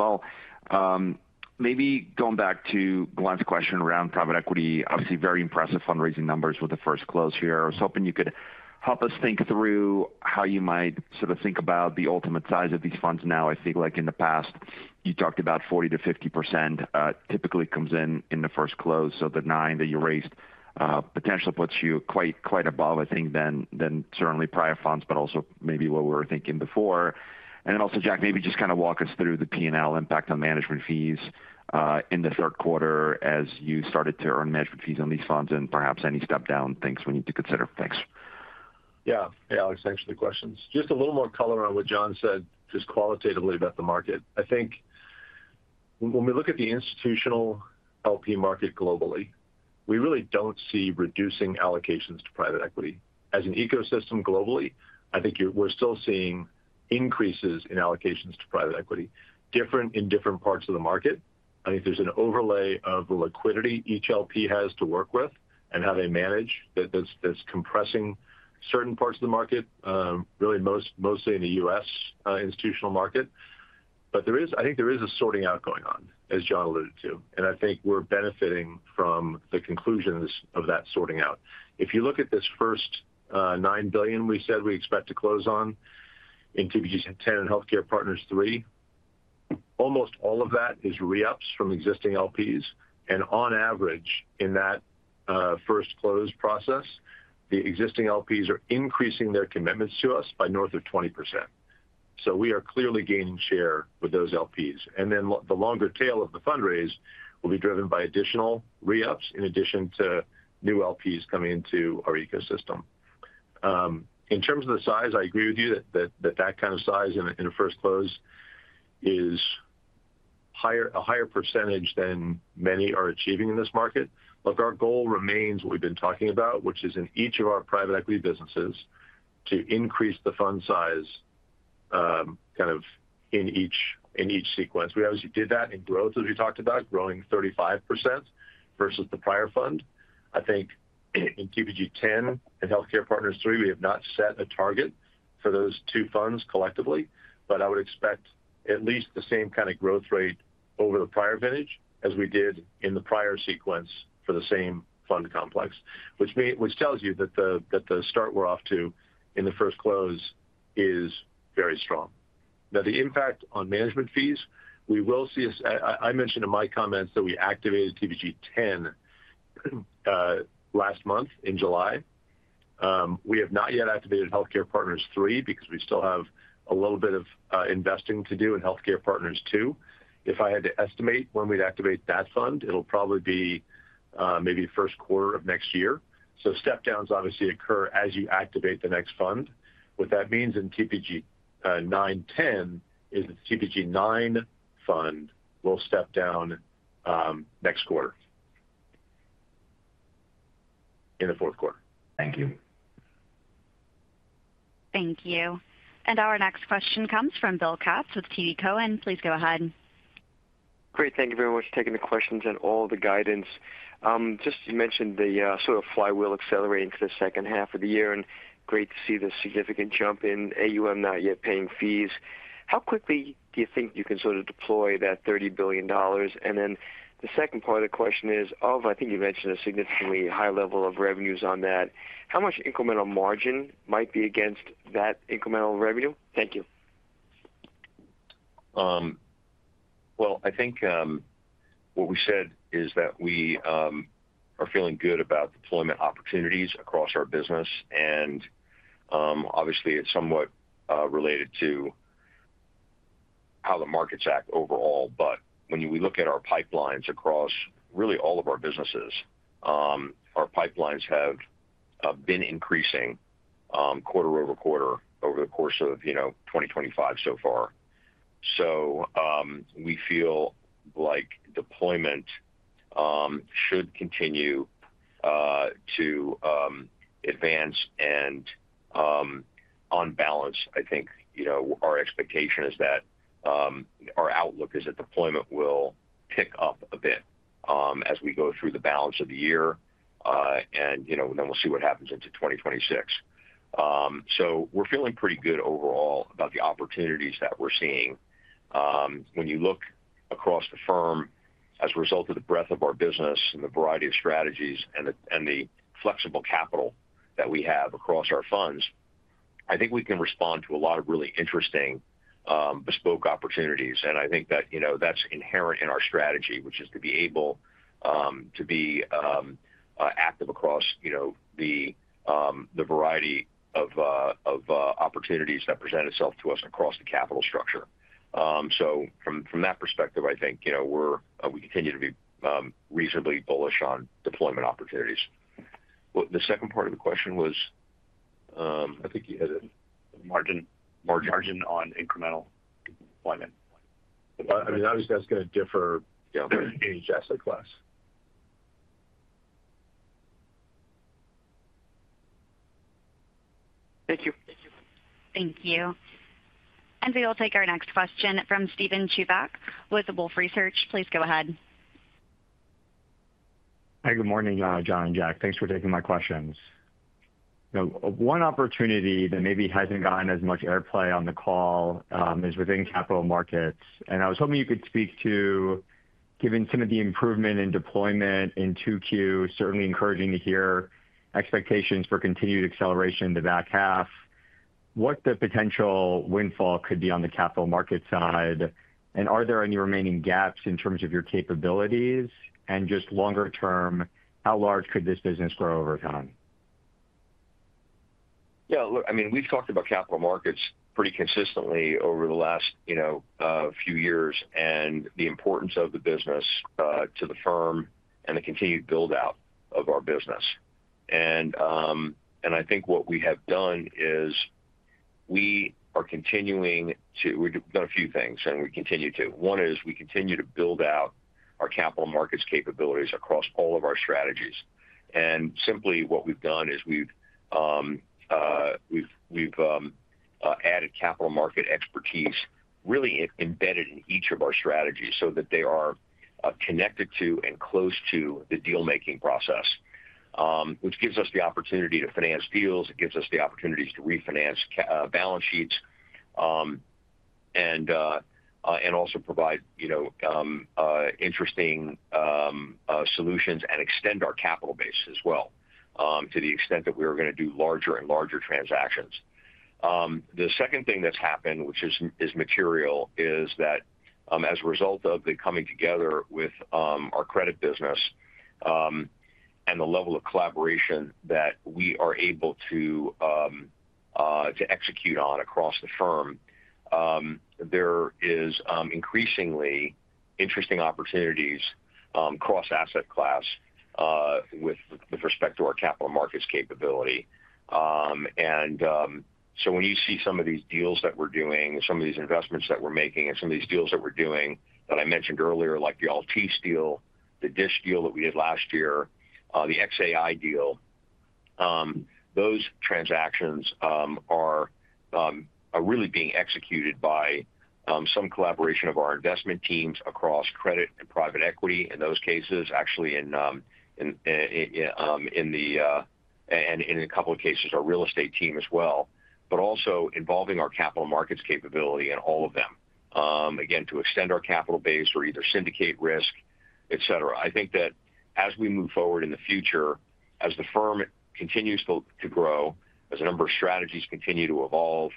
[SPEAKER 7] Maybe going back to the last question around private equity, obviously very impressive fundraising numbers with the first close here. I was hoping you could help us think through how you might sort of think about the ultimate size of these funds. Now, I think like in the past, you talked about 40%-50% typically comes in in the first close. So the $9 billion that you raised potentially puts you quite above, I think, than certainly prior funds, but also maybe what we were thinking before. Also, Jack, maybe just kind of walk us through the P&L impact on management fees in the third quarter as you started to earn management fees on these funds and perhaps any step-down things we need to consider. Thanks.
[SPEAKER 4] Yeah. Hey, Alex. Thanks for the questions. Just a little more color on what Jon said just qualitatively about the market. I think when we look at the institutional LP market globally, we really don't see reducing allocations to private equity. As an ecosystem globally, I think we're still seeing increases in allocations to private equity, different in different parts of the market. I think there's an overlay of the liquidity each LP has to work with and how they manage that's compressing certain parts of the market, really mostly in the U.S. institutional market. I think there is a sorting out going on, as Jon alluded to. I think we're benefiting from the conclusions of that sorting out. If you look at this first $9 billion we said we expect to close on in TPG X and Healthcare Partners III, almost all of that is re-ups from existing LPs. On average, in that first close process, the existing LPs are increasing their commitments to us by north of 20%. We are clearly gaining share with those LPs. The longer tail of the fundraise will be driven by additional re-ups in addition to new LPs coming into our ecosystem. In terms of the size, I agree with you that that kind of size in the first close is a higher percentage than many are achieving in this market. Our goal remains what we've been talking about, which is in each of our private equity businesses to increase the fund size kind of in each sequence. We obviously did that in growth, as we talked about, growing 35% versus the prior fund. I think in TPG X and Healthcare Partners III, we have not set a target for those two funds collectively, but I would expect at least the same kind of growth rate over the prior vintage as we did in the prior sequence for the same fund complex, which tells you that the start we're off to in the first close is very strong. Now, the impact on management fees, we will see us, I mentioned in my comments that we activated TPG X last month in July. We have not yet activated Healthcare Partners III because we still have a little bit of investing to do in Healthcare Partners II. If I had to estimate when we'd activate that fund, it'll probably be maybe the first quarter of next year. Step-downs obviously occur as you activate the next fund. What that means in TPG IX/X is that the TPG IX fund will step down next quarter in the fourth quarter.
[SPEAKER 7] Thank you.
[SPEAKER 1] Thank you. Our next question comes from Bill Katz with TD Cowen. Please go ahead.
[SPEAKER 8] Great. Thank you very much for taking the questions and all the guidance. You mentioned the sort of flywheel accelerating to the second half of the year, and great to see the significant jump in AUM not yet paying fees. How quickly do you think you can deploy that $30 billion? The second part of the question is, I think you mentioned a significantly high level of revenues on that, how much incremental margin might be against that incremental revenue? Thank you.
[SPEAKER 3] I think what we said is that we are feeling good about deployment opportunities across our business. Obviously, it's somewhat related to how the markets act overall. When we look at our pipelines across really all of our businesses, our pipelines have been increasing quarter-over-quarter over the course of 2025 so far. We feel like deployment should continue to advance. On balance, I think our expectation is that our outlook is that deployment will pick up a bit as we go through the balance of the year, and you know, then we'll see what happens into 2026. We're feeling pretty good overall about the opportunities that we're seeing. When you look across the firm as a result of the breadth of our business and the variety of strategies and the flexible capital that we have across our funds, I think we can respond to a lot of really interesting bespoke opportunities. I think that, you know, that's inherent in our strategy, which is to be able to be active across the variety of opportunities that present itself to us across the capital structure. From that perspective, I think we continue to be reasonably bullish on deployment opportunities. The second part of the question was, I think you had a margin on incremental deployment.
[SPEAKER 4] I mean, obviously, that's going to differ in each asset class.
[SPEAKER 8] Thank you.
[SPEAKER 1] Thank you. We will take our next question from Steven Chubak with Wolfe Research. Please go ahead.
[SPEAKER 9] Hi, good morning, Jon and Jack. Thanks for taking my questions. One opportunity that maybe hasn't gotten as much airplay on the call is within capital markets. I was hoping you could speak to, given some of the improvement in deployment in 2Q, certainly encouraging to hear expectations for continued acceleration in the back half, what the potential windfall could be on the capital market side, and are there any remaining gaps in terms of your capabilities? Just longer term, how large could this business grow over time?
[SPEAKER 3] Yeah, look, I mean, we've talked about capital markets pretty consistently over the last few years and the importance of the business to the firm and the continued build-out of our business. I think what we have done is we are continuing to, we've done a few things, and we continue to. One is we continue to build out our capital markets capabilities across all of our strategies. Simply, what we've done is we've added capital market expertise really embedded in each of our strategies so that they are connected to and close to the deal-making process, which gives us the opportunity to finance deals. It gives us the opportunities to refinance balance sheets and also provide, you know, interesting solutions and extend our capital base as well to the extent that we are going to do larger and larger transactions. The second thing that's happened, which is material, is that as a result of the coming together with our credit business and the level of collaboration that we are able to execute on across the firm, there are increasingly interesting opportunities across asset class with respect to our capital markets capability. When you see some of these deals that we're doing and some of these investments that we're making and some of these deals that we're doing that I mentioned earlier, like the LT Steel, the DISH deal that we did last year, the xAI deal, those transactions are really being executed by some collaboration of our investment teams across credit and private equity in those cases, actually in the, and in a couple of cases, our real estate team as well, but also involving our capital markets capability in all of them, again, to extend our capital base or either syndicate risk, etc. I think that as we move forward in the future, as the firm continues to grow, as a number of strategies continue to evolve,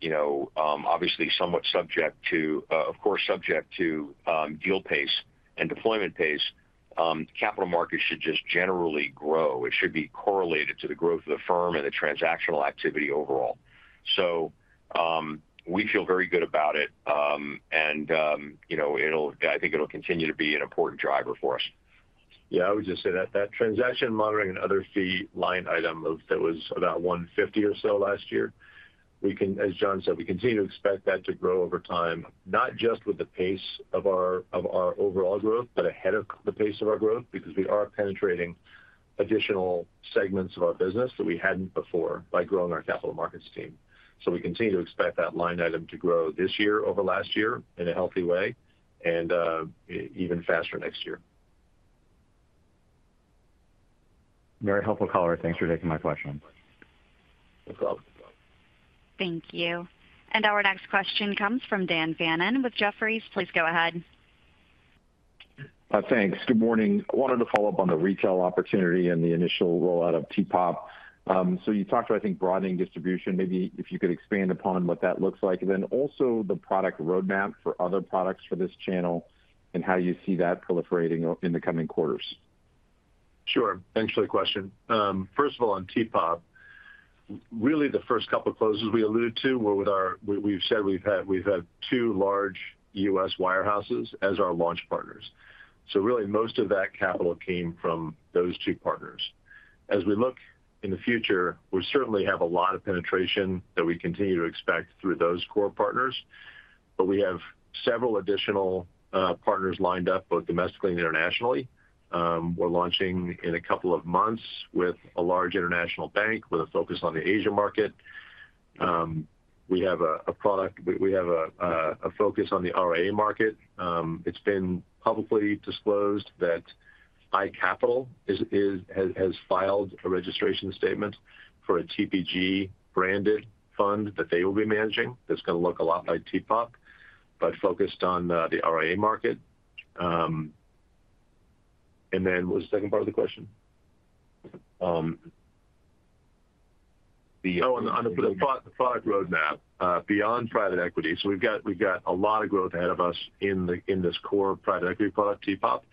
[SPEAKER 3] you know, obviously somewhat subject to, of course, subject to deal pace and deployment pace, capital markets should just generally grow. It should be correlated to the growth of the firm and the transactional activity overall. We feel very good about it. I think it'll continue to be an important driver for us.
[SPEAKER 4] I would just say that that transaction monitoring and other fee line item that was about $150 or so last year, we can, as Jon said, we continue to expect that to grow over time, not just with the pace of our overall growth, but ahead of the pace of our growth because we are penetrating additional segments of our business that we hadn't before by growing our capital markets team. We continue to expect that line item to grow this year over last year in a healthy way and even faster next year.
[SPEAKER 9] Very helpful. Thanks for taking my question.
[SPEAKER 1] Thank you. Our next question comes from Dan Fannon with Jefferies. Please go ahead.
[SPEAKER 10] Thanks. Good morning. I wanted to follow up on the retail opportunity and the initial rollout of T-POP. You talked about, I think, broadening distribution. Maybe if you could expand upon what that looks like, and then also the product roadmap for other products for this channel and how you see that proliferating in the coming quarters.
[SPEAKER 4] Sure. Thanks for the question. First of all, on T-POP, really the first couple of closes we alluded to were with our, we've said we've had two large U.S. wirehouses as our launch partners. Most of that capital came from those two partners. As we look in the future, we certainly have a lot of penetration that we continue to expect through those core partners. We have several additional partners lined up both domestically and internationally. We're launching in a couple of months with a large international bank with a focus on the Asia market. We have a product, we have a focus on the RIA market. It's been publicly disclosed that iCapital has filed a registration statement for a TPG-branded fund that they will be managing that's going to look a lot like T-POP, but focused on the RIA market. What was the second part of the question? On the product roadmap, beyond private equity, we've got a lot of growth ahead of us in this core private equity product, T-POP.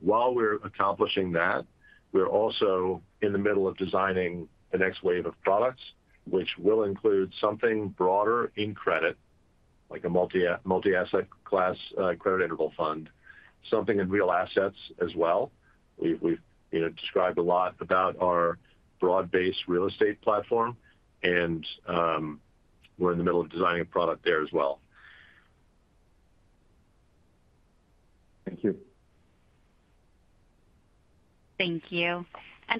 [SPEAKER 4] While we're accomplishing that, we're also in the middle of designing the next wave of products, which will include something broader in credit, like a multi-asset class credit interval fund, something in real assets as well. We've described a lot about our broad-based real estate platform, and we're in the middle of designing a product there as well.
[SPEAKER 10] Thank you.
[SPEAKER 1] Thank you.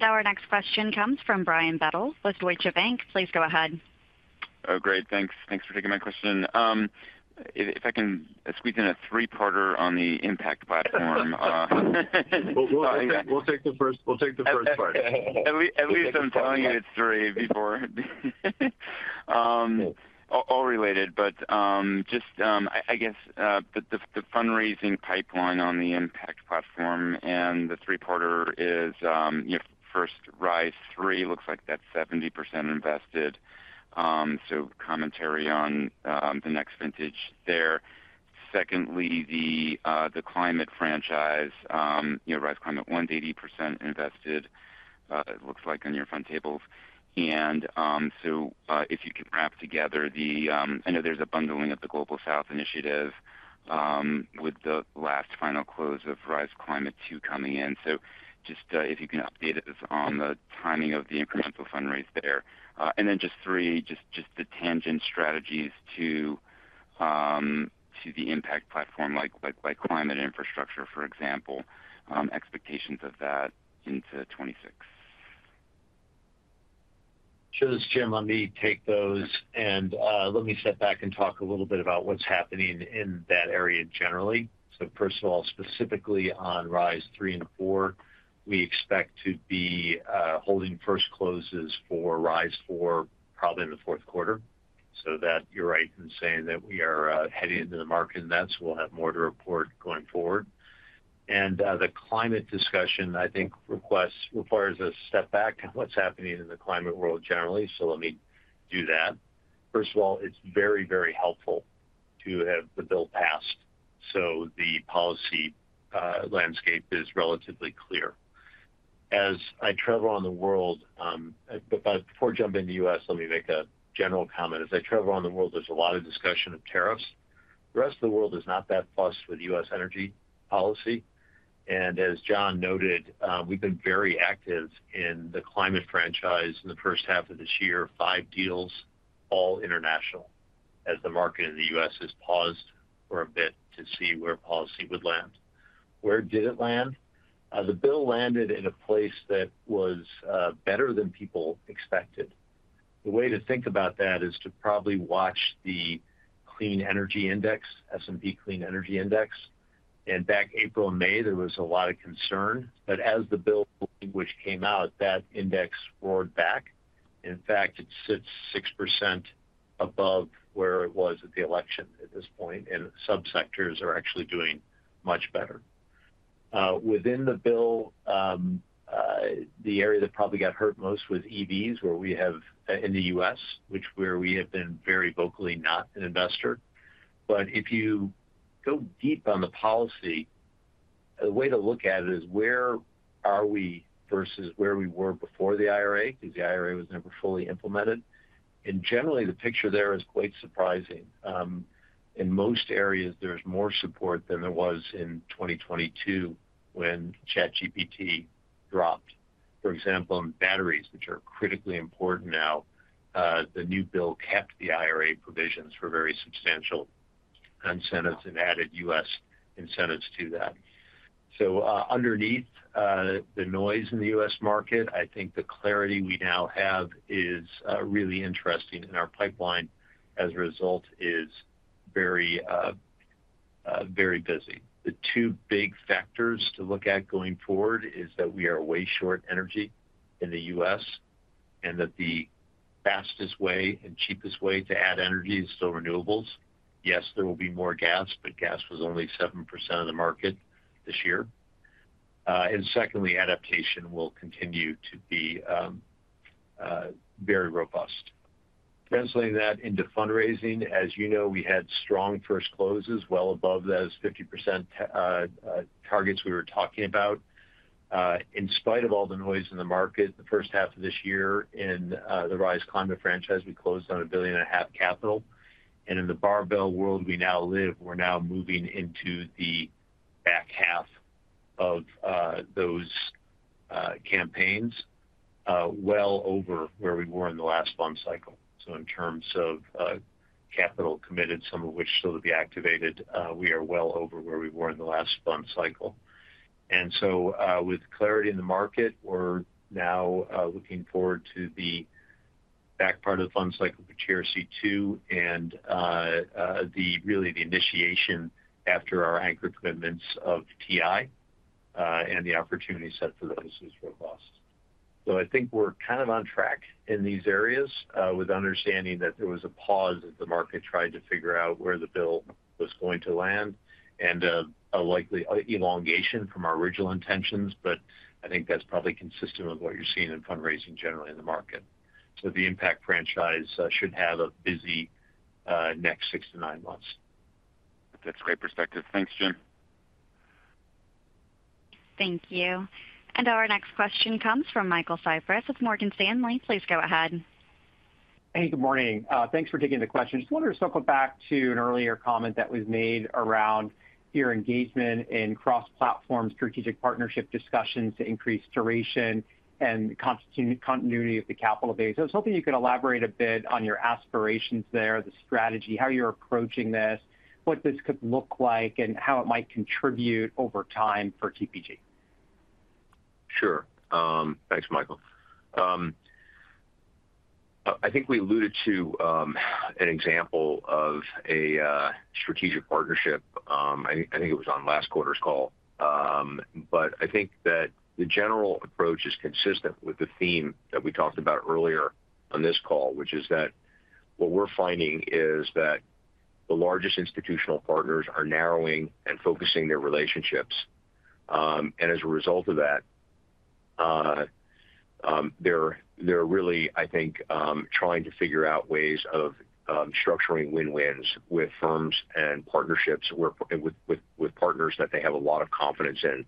[SPEAKER 1] Our next question comes from Brian Bedell with Deutsche Bank. Please go ahead.
[SPEAKER 11] Great, thanks. Thanks for taking my question. If I can squeeze in a three-parter on the impact platform.
[SPEAKER 4] We'll take the first part.
[SPEAKER 11] At least I'm telling you it's three before. All related, but just I guess the fundraising pipeline on the impact platform and the three-parter is, you know, first, Rise III looks like that's 70% invested. Commentary on the next vintage there. Secondly, the climate franchise, you know, Rise Climate I's 80% invested, it looks like on your front tables. If you could wrap together the, I know there's a bundling of the Global South Initiative with the last final close of Rise Climate II coming in. If you can update us on the timing of the incremental fundraise there. Then just three, just the tangent strategies to the impact platform, like climate infrastructure, for example, expectations of that into 2026.
[SPEAKER 12] Sure, it's Jim, let me take those and let me step back and talk a little bit about what's happening in that area generally. First of all, specifically on Rise III and IV, we expect to be holding first closes for Rise IV probably in the fourth quarter. You're right in saying that we are heading into the market in that, so we'll have more to report going forward. The climate discussion, I think, requires a step back on what's happening in the climate world generally. Let me do that. First of all, it's very, very helpful to have the bill passed so the policy landscape is relatively clear. As I travel around the world, but before jumping to the U.S., let me make a general comment. As I travel around the world, there's a lot of discussion of tariffs. The rest of the world is not that fussed with U.S. energy policy. As Jon noted, we've been very active in the climate franchise in the first half of this year, five deals, all international, as the market in the U.S. has paused for a bit to see where policy would land. Where did it land? The bill landed in a place that was better than people expected. The way to think about that is to probably watch the S&P Clean Energy Index. Back in April and May, there was a lot of concern. As the bill language came out, that index roared back. In fact, it sits 6% above where it was at the election at this point, and subsectors are actually doing much better. Within the bill, the area that probably got hurt most was EVs, where we have in the U.S., where we have been very vocally not an investor. If you go deep on the policy, the way to look at it is where are we versus where we were before the IRA because the IRA was never fully implemented. Generally, the picture there is quite surprising. In most areas, there's more support than there was in 2022 when ChatGPT dropped. For example, in batteries, which are critically important now, the new bill kept the IRA provisions for very substantial incentives and added U.S. incentives to that. Underneath the noise in the U.S. market, I think the clarity we now have is really interesting, and our pipeline as a result is very, very busy. The two big factors to look at going forward are that we are way short energy in the U.S. and that the fastest way and cheapest way to add energy is still renewables. Yes, there will be more gas, but gas was only 7% of the market this year. Secondly, adaptation will continue to be very robust. Translating that into fundraising, as you know, we had strong first closes well above those 50% targets we were talking about. In spite of all the noise in the market, the first half of this year in the Rise Climate franchise, we closed on $1.5 billion capital. In the barbell world we now live, we're now moving into the back half of those campaigns well over where we were in the last bump cycle. In terms of capital committed, some of which still to be activated, we are well over where we were in the last bump cycle. With clarity in the market, we're now looking forward to the back part of the bump cycle for [Cherokee] II and really the initiation after our anchor commitments of TI and the opportunity set for those is robust. I think we're kind of on track in these areas with understanding that there was a pause as the market tried to figure out where the bill was going to land and a likely elongation from our original intentions. I think that's probably consistent with what you're seeing in fundraising generally in the market. The impact franchise should have a busy next six to nine months.
[SPEAKER 11] That's a great perspective. Thanks, Jim.
[SPEAKER 1] Thank you. Our next question comes from Michael Cyprys with Morgan Stanley. Please go ahead.
[SPEAKER 13] Hey, good morning. Thanks for taking the question. I just wanted to circle back to an earlier comment that was made around your engagement in cross-platform strategic partnership discussions to increase duration and the continuity of the capital base. I was hoping you could elaborate a bit on your aspirations there, the strategy, how you're approaching this, what this could look like, and how it might contribute over time for TPG.
[SPEAKER 3] Sure. Thanks, Michael. I think we alluded to an example of a strategic partnership. I think it was on last quarter's call. I think that the general approach is consistent with the theme that we talked about earlier on this call, which is that what we're finding is that the largest institutional partners are narrowing and focusing their relationships. As a result of that, they're really, I think, trying to figure out ways of structuring win-wins with firms and partnerships with partners that they have a lot of confidence in.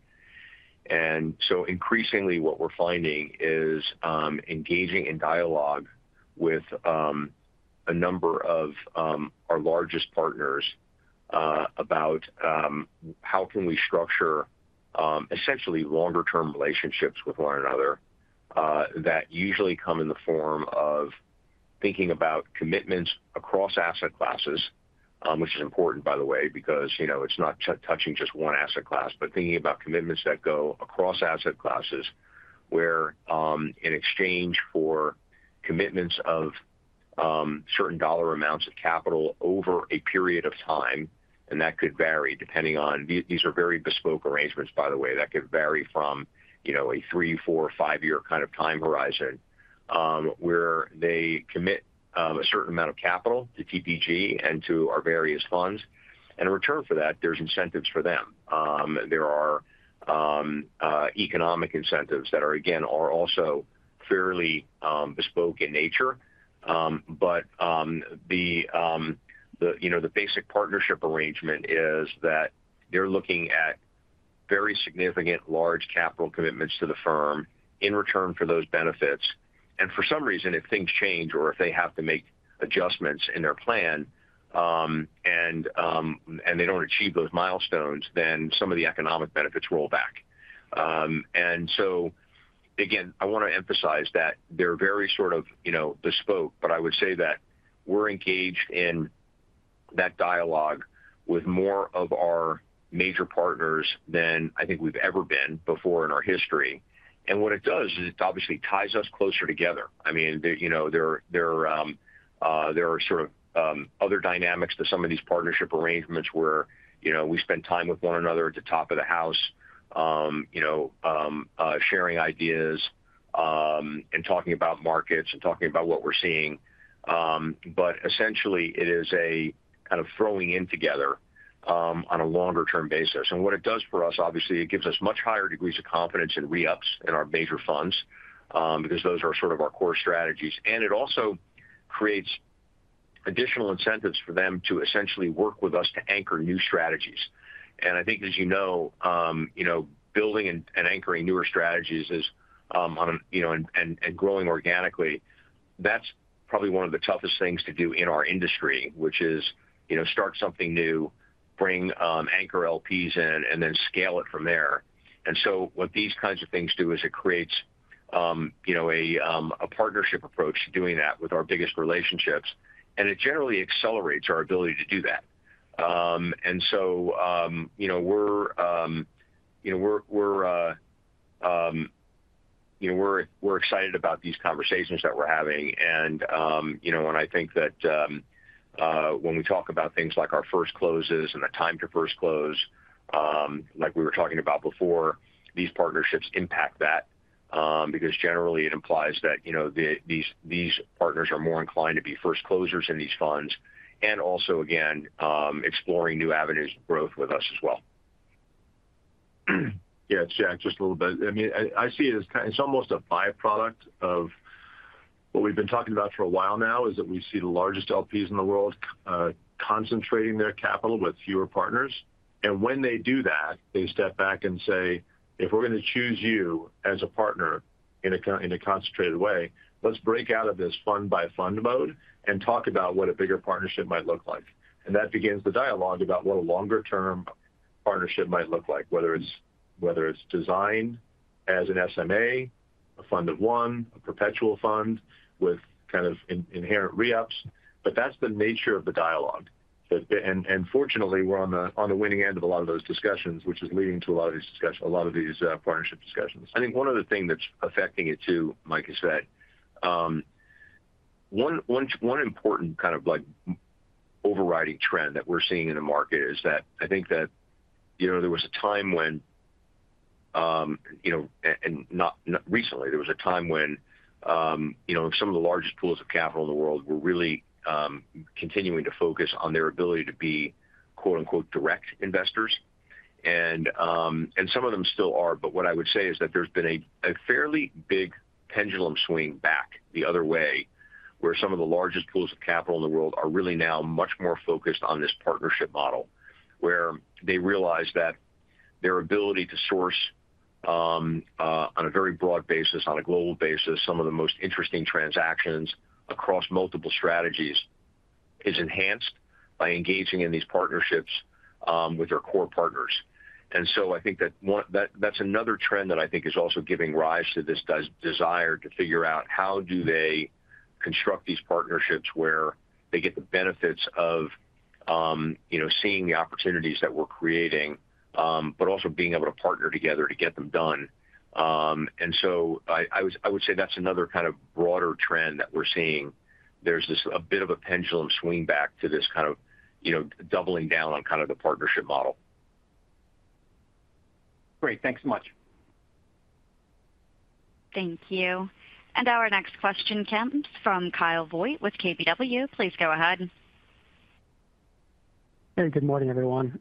[SPEAKER 3] Increasingly, what we're finding is engaging in dialogue with a number of our largest partners about how can we structure essentially longer-term relationships with one another that usually come in the form of thinking about commitments across asset classes, which is important, by the way, because you know it's not touching just one asset class, but thinking about commitments that go across asset classes where in exchange for commitments of certain dollar amounts of capital over a period of time, and that could vary depending on these are very bespoke arrangements, by the way, that could vary from, you know, a three, four, five-year kind of time horizon where they commit a certain amount of capital to TPG and to our various funds. In return for that, there's incentives for them. There are economic incentives that are, again, also fairly bespoke in nature. The basic partnership arrangement is that they're looking at very significant large capital commitments to the firm in return for those benefits. For some reason, if things change or if they have to make adjustments in their plan and they don't achieve those milestones, then some of the economic benefits roll back. I want to emphasize that they're very sort of, you know, bespoke, but I would say that we're engaged in that dialogue with more of our major partners than I think we've ever been before in our history. What it does is it obviously ties us closer together. I mean, you know, there are sort of other dynamics to some of these partnership arrangements where, you know, we spend time with one another at the top of the house, sharing ideas and talking about markets and talking about what we're seeing. Essentially, it is a kind of throwing in together on a longer-term basis. What it does for us, obviously, it gives us much higher degrees of confidence in re-ups in our major funds because those are sort of our core strategies. It also creates additional incentives for them to essentially work with us to anchor new strategies. I think, as you know, building and anchoring newer strategies is on, and growing organically, that's probably one of the toughest things to do in our industry, which is start something new, bring anchor LPs in, and then scale it from there. What these kinds of things do is it creates a partnership approach to doing that with our biggest relationships. It generally accelerates our ability to do that. We're excited about these conversations that we're having. When I think that when we talk about things like our first closes and the time to first close, like we were talking about before, these partnerships impact that because generally, it implies that these partners are more inclined to be first closers in these funds and also, again, exploring new avenues of growth with us as well.
[SPEAKER 4] Yeah, it's Jack just a little bit. I mean, I see it as kind of, it's almost a byproduct of what we've been talking about for a while now. We see the largest LPs in the world concentrating their capital with fewer partners. When they do that, they step back and say, "If we're going to choose you as a partner in a concentrated way, let's break out of this fund-by-fund mode and talk about what a bigger partnership might look like." That begins the dialogue about what a longer-term partnership might look like, whether it's designed as an SMA, a fund of one, a perpetual fund with kind of inherent re-ups. That's the nature of the dialogue. Fortunately, we're on the winning end of a lot of those discussions, which is leading to a lot of these partnership discussions.
[SPEAKER 3] I think one other thing that's affecting it too, Michael said, one important kind of overriding trend that we're seeing in the market is that I think that, you know, there was a time when, you know, and not recently, there was a time when, you know, some of the largest pools of capital in the world were really continuing to focus on their ability to be, quote-unquote, "direct investors." Some of them still are, but what I would say is that there's been a fairly big pendulum swing back the other way where some of the largest pools of capital in the world are really now much more focused on this partnership model where they realize that their ability to source on a very broad basis, on a global basis, some of the most interesting transactions across multiple strategies is enhanced by engaging in these partnerships with their core partners. I think that that's another trend that I think is also giving rise to this desire to figure out how do they construct these partnerships where they get the benefits of, you know, seeing the opportunities that we're creating, but also being able to partner together to get them done. I would say that's another kind of broader trend that we're seeing. There's this a bit of a pendulum swing back to this kind of, you know, doubling down on kind of the partnership model.
[SPEAKER 13] Great, thanks so much.
[SPEAKER 1] Thank you. Our next question comes from Kyle Voigt with KBW. Please go ahead.
[SPEAKER 14] Hey, good morning, everyone.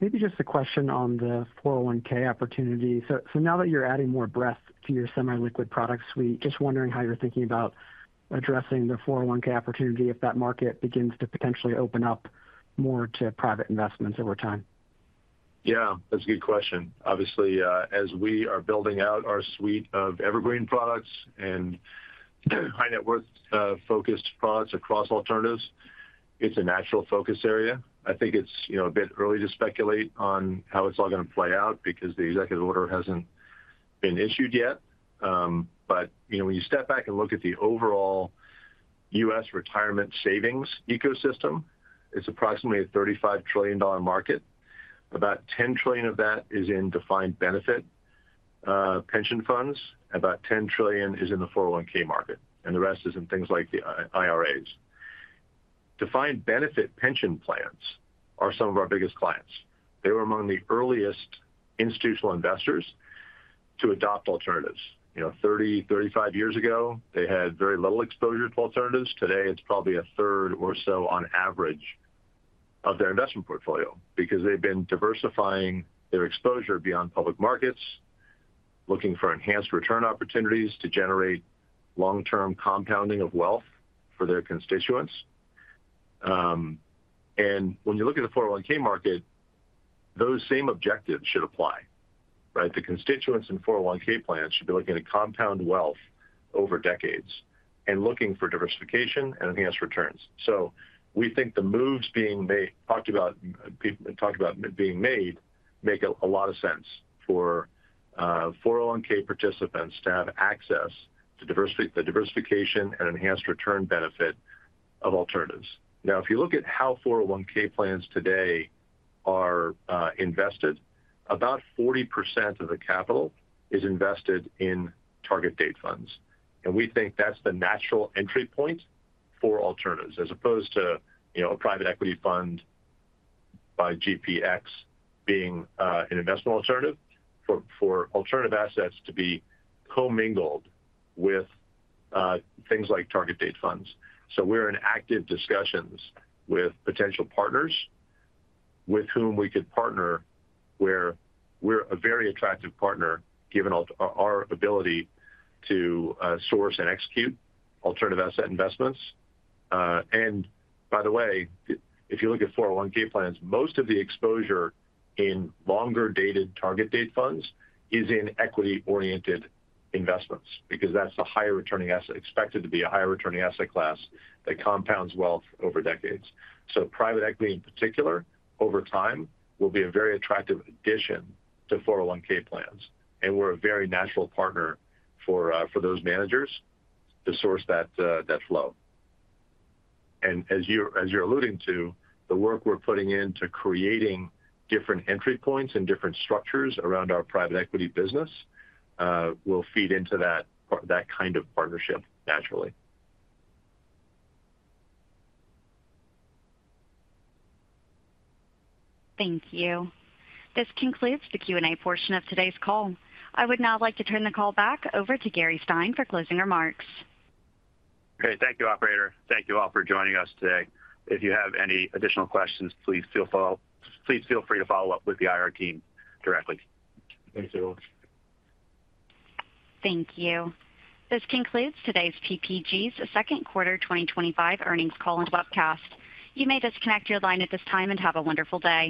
[SPEAKER 14] Maybe just a question on the 401(k) opportunity. Now that you're adding more breadth to your semi-liquid product suite, just wondering how you're thinking about addressing the 401(k) opportunity if that market begins to potentially open up more to private investments over time.
[SPEAKER 4] Yeah, that's a good question. Obviously, as we are building out our suite of evergreen products and high net worth focused products across alternatives, it's a natural focus area. I think it's, you know, a bit early to speculate on how it's all going to play out because the executive order hasn't been issued yet. When you step back and look at the overall U.S. retirement savings ecosystem, it's approximately a $35 trillion market. About $10 trillion of that is in defined benefit pension funds. About $10 trillion is in the 401(k) market. The rest is in things like the IRAs. Defined benefit pension plans are some of our biggest clients. They were among the earliest institutional investors to adopt alternatives. You know, 30, 35 years ago, they had very little exposure to alternatives. Today, it's probably a third or so on average of their investment portfolio because they've been diversifying their exposure beyond public markets, looking for enhanced return opportunities to generate long-term compounding of wealth for their constituents. When you look at the 401(k) market, those same objectives should apply. Right? The constituents in 401(k) plans should be looking at compound wealth over decades and looking for diversification and enhanced returns. We think the moves being talked about, talked about being made, make a lot of sense for 401(k) participants to have access to the diversification and enhanced return benefit of alternatives. If you look at how 401(k) plans today are invested, about 40% of the capital is invested in target date funds. We think that's the natural entry point for alternatives as opposed to a private equity fund by GPX being an investment alternative for alternative assets to be commingled with things like target date funds. We're in active discussions with potential partners with whom we could partner, where we're a very attractive partner given our ability to source and execute alternative asset investments. By the way, if you look at 401(k) plans, most of the exposure in longer dated target date funds is in equity-oriented investments because that's the higher returning asset, expected to be a higher returning asset class that compounds wealth over decades. Private equity in particular, over time, will be a very attractive addition to 401(k) plans. We're a very natural partner for those managers to source that flow. As you're alluding to, the work we're putting into creating different entry points and different structures around our private equity business will feed into that kind of partnership naturally.
[SPEAKER 1] Thank you. This concludes the Q&A portion of today's call. I would now like to turn the call back over to Gary Stein for closing remarks.
[SPEAKER 2] Great. Thank you, operator. Thank you all for joining us today. If you have any additional questions, please feel free to follow up with the IR team directly.
[SPEAKER 3] Thanks, everyone.
[SPEAKER 1] Thank you. This concludes today's TPG's Second Quarter 2025 Earnings Call and Webcast. You may disconnect your line at this time and have a wonderful day.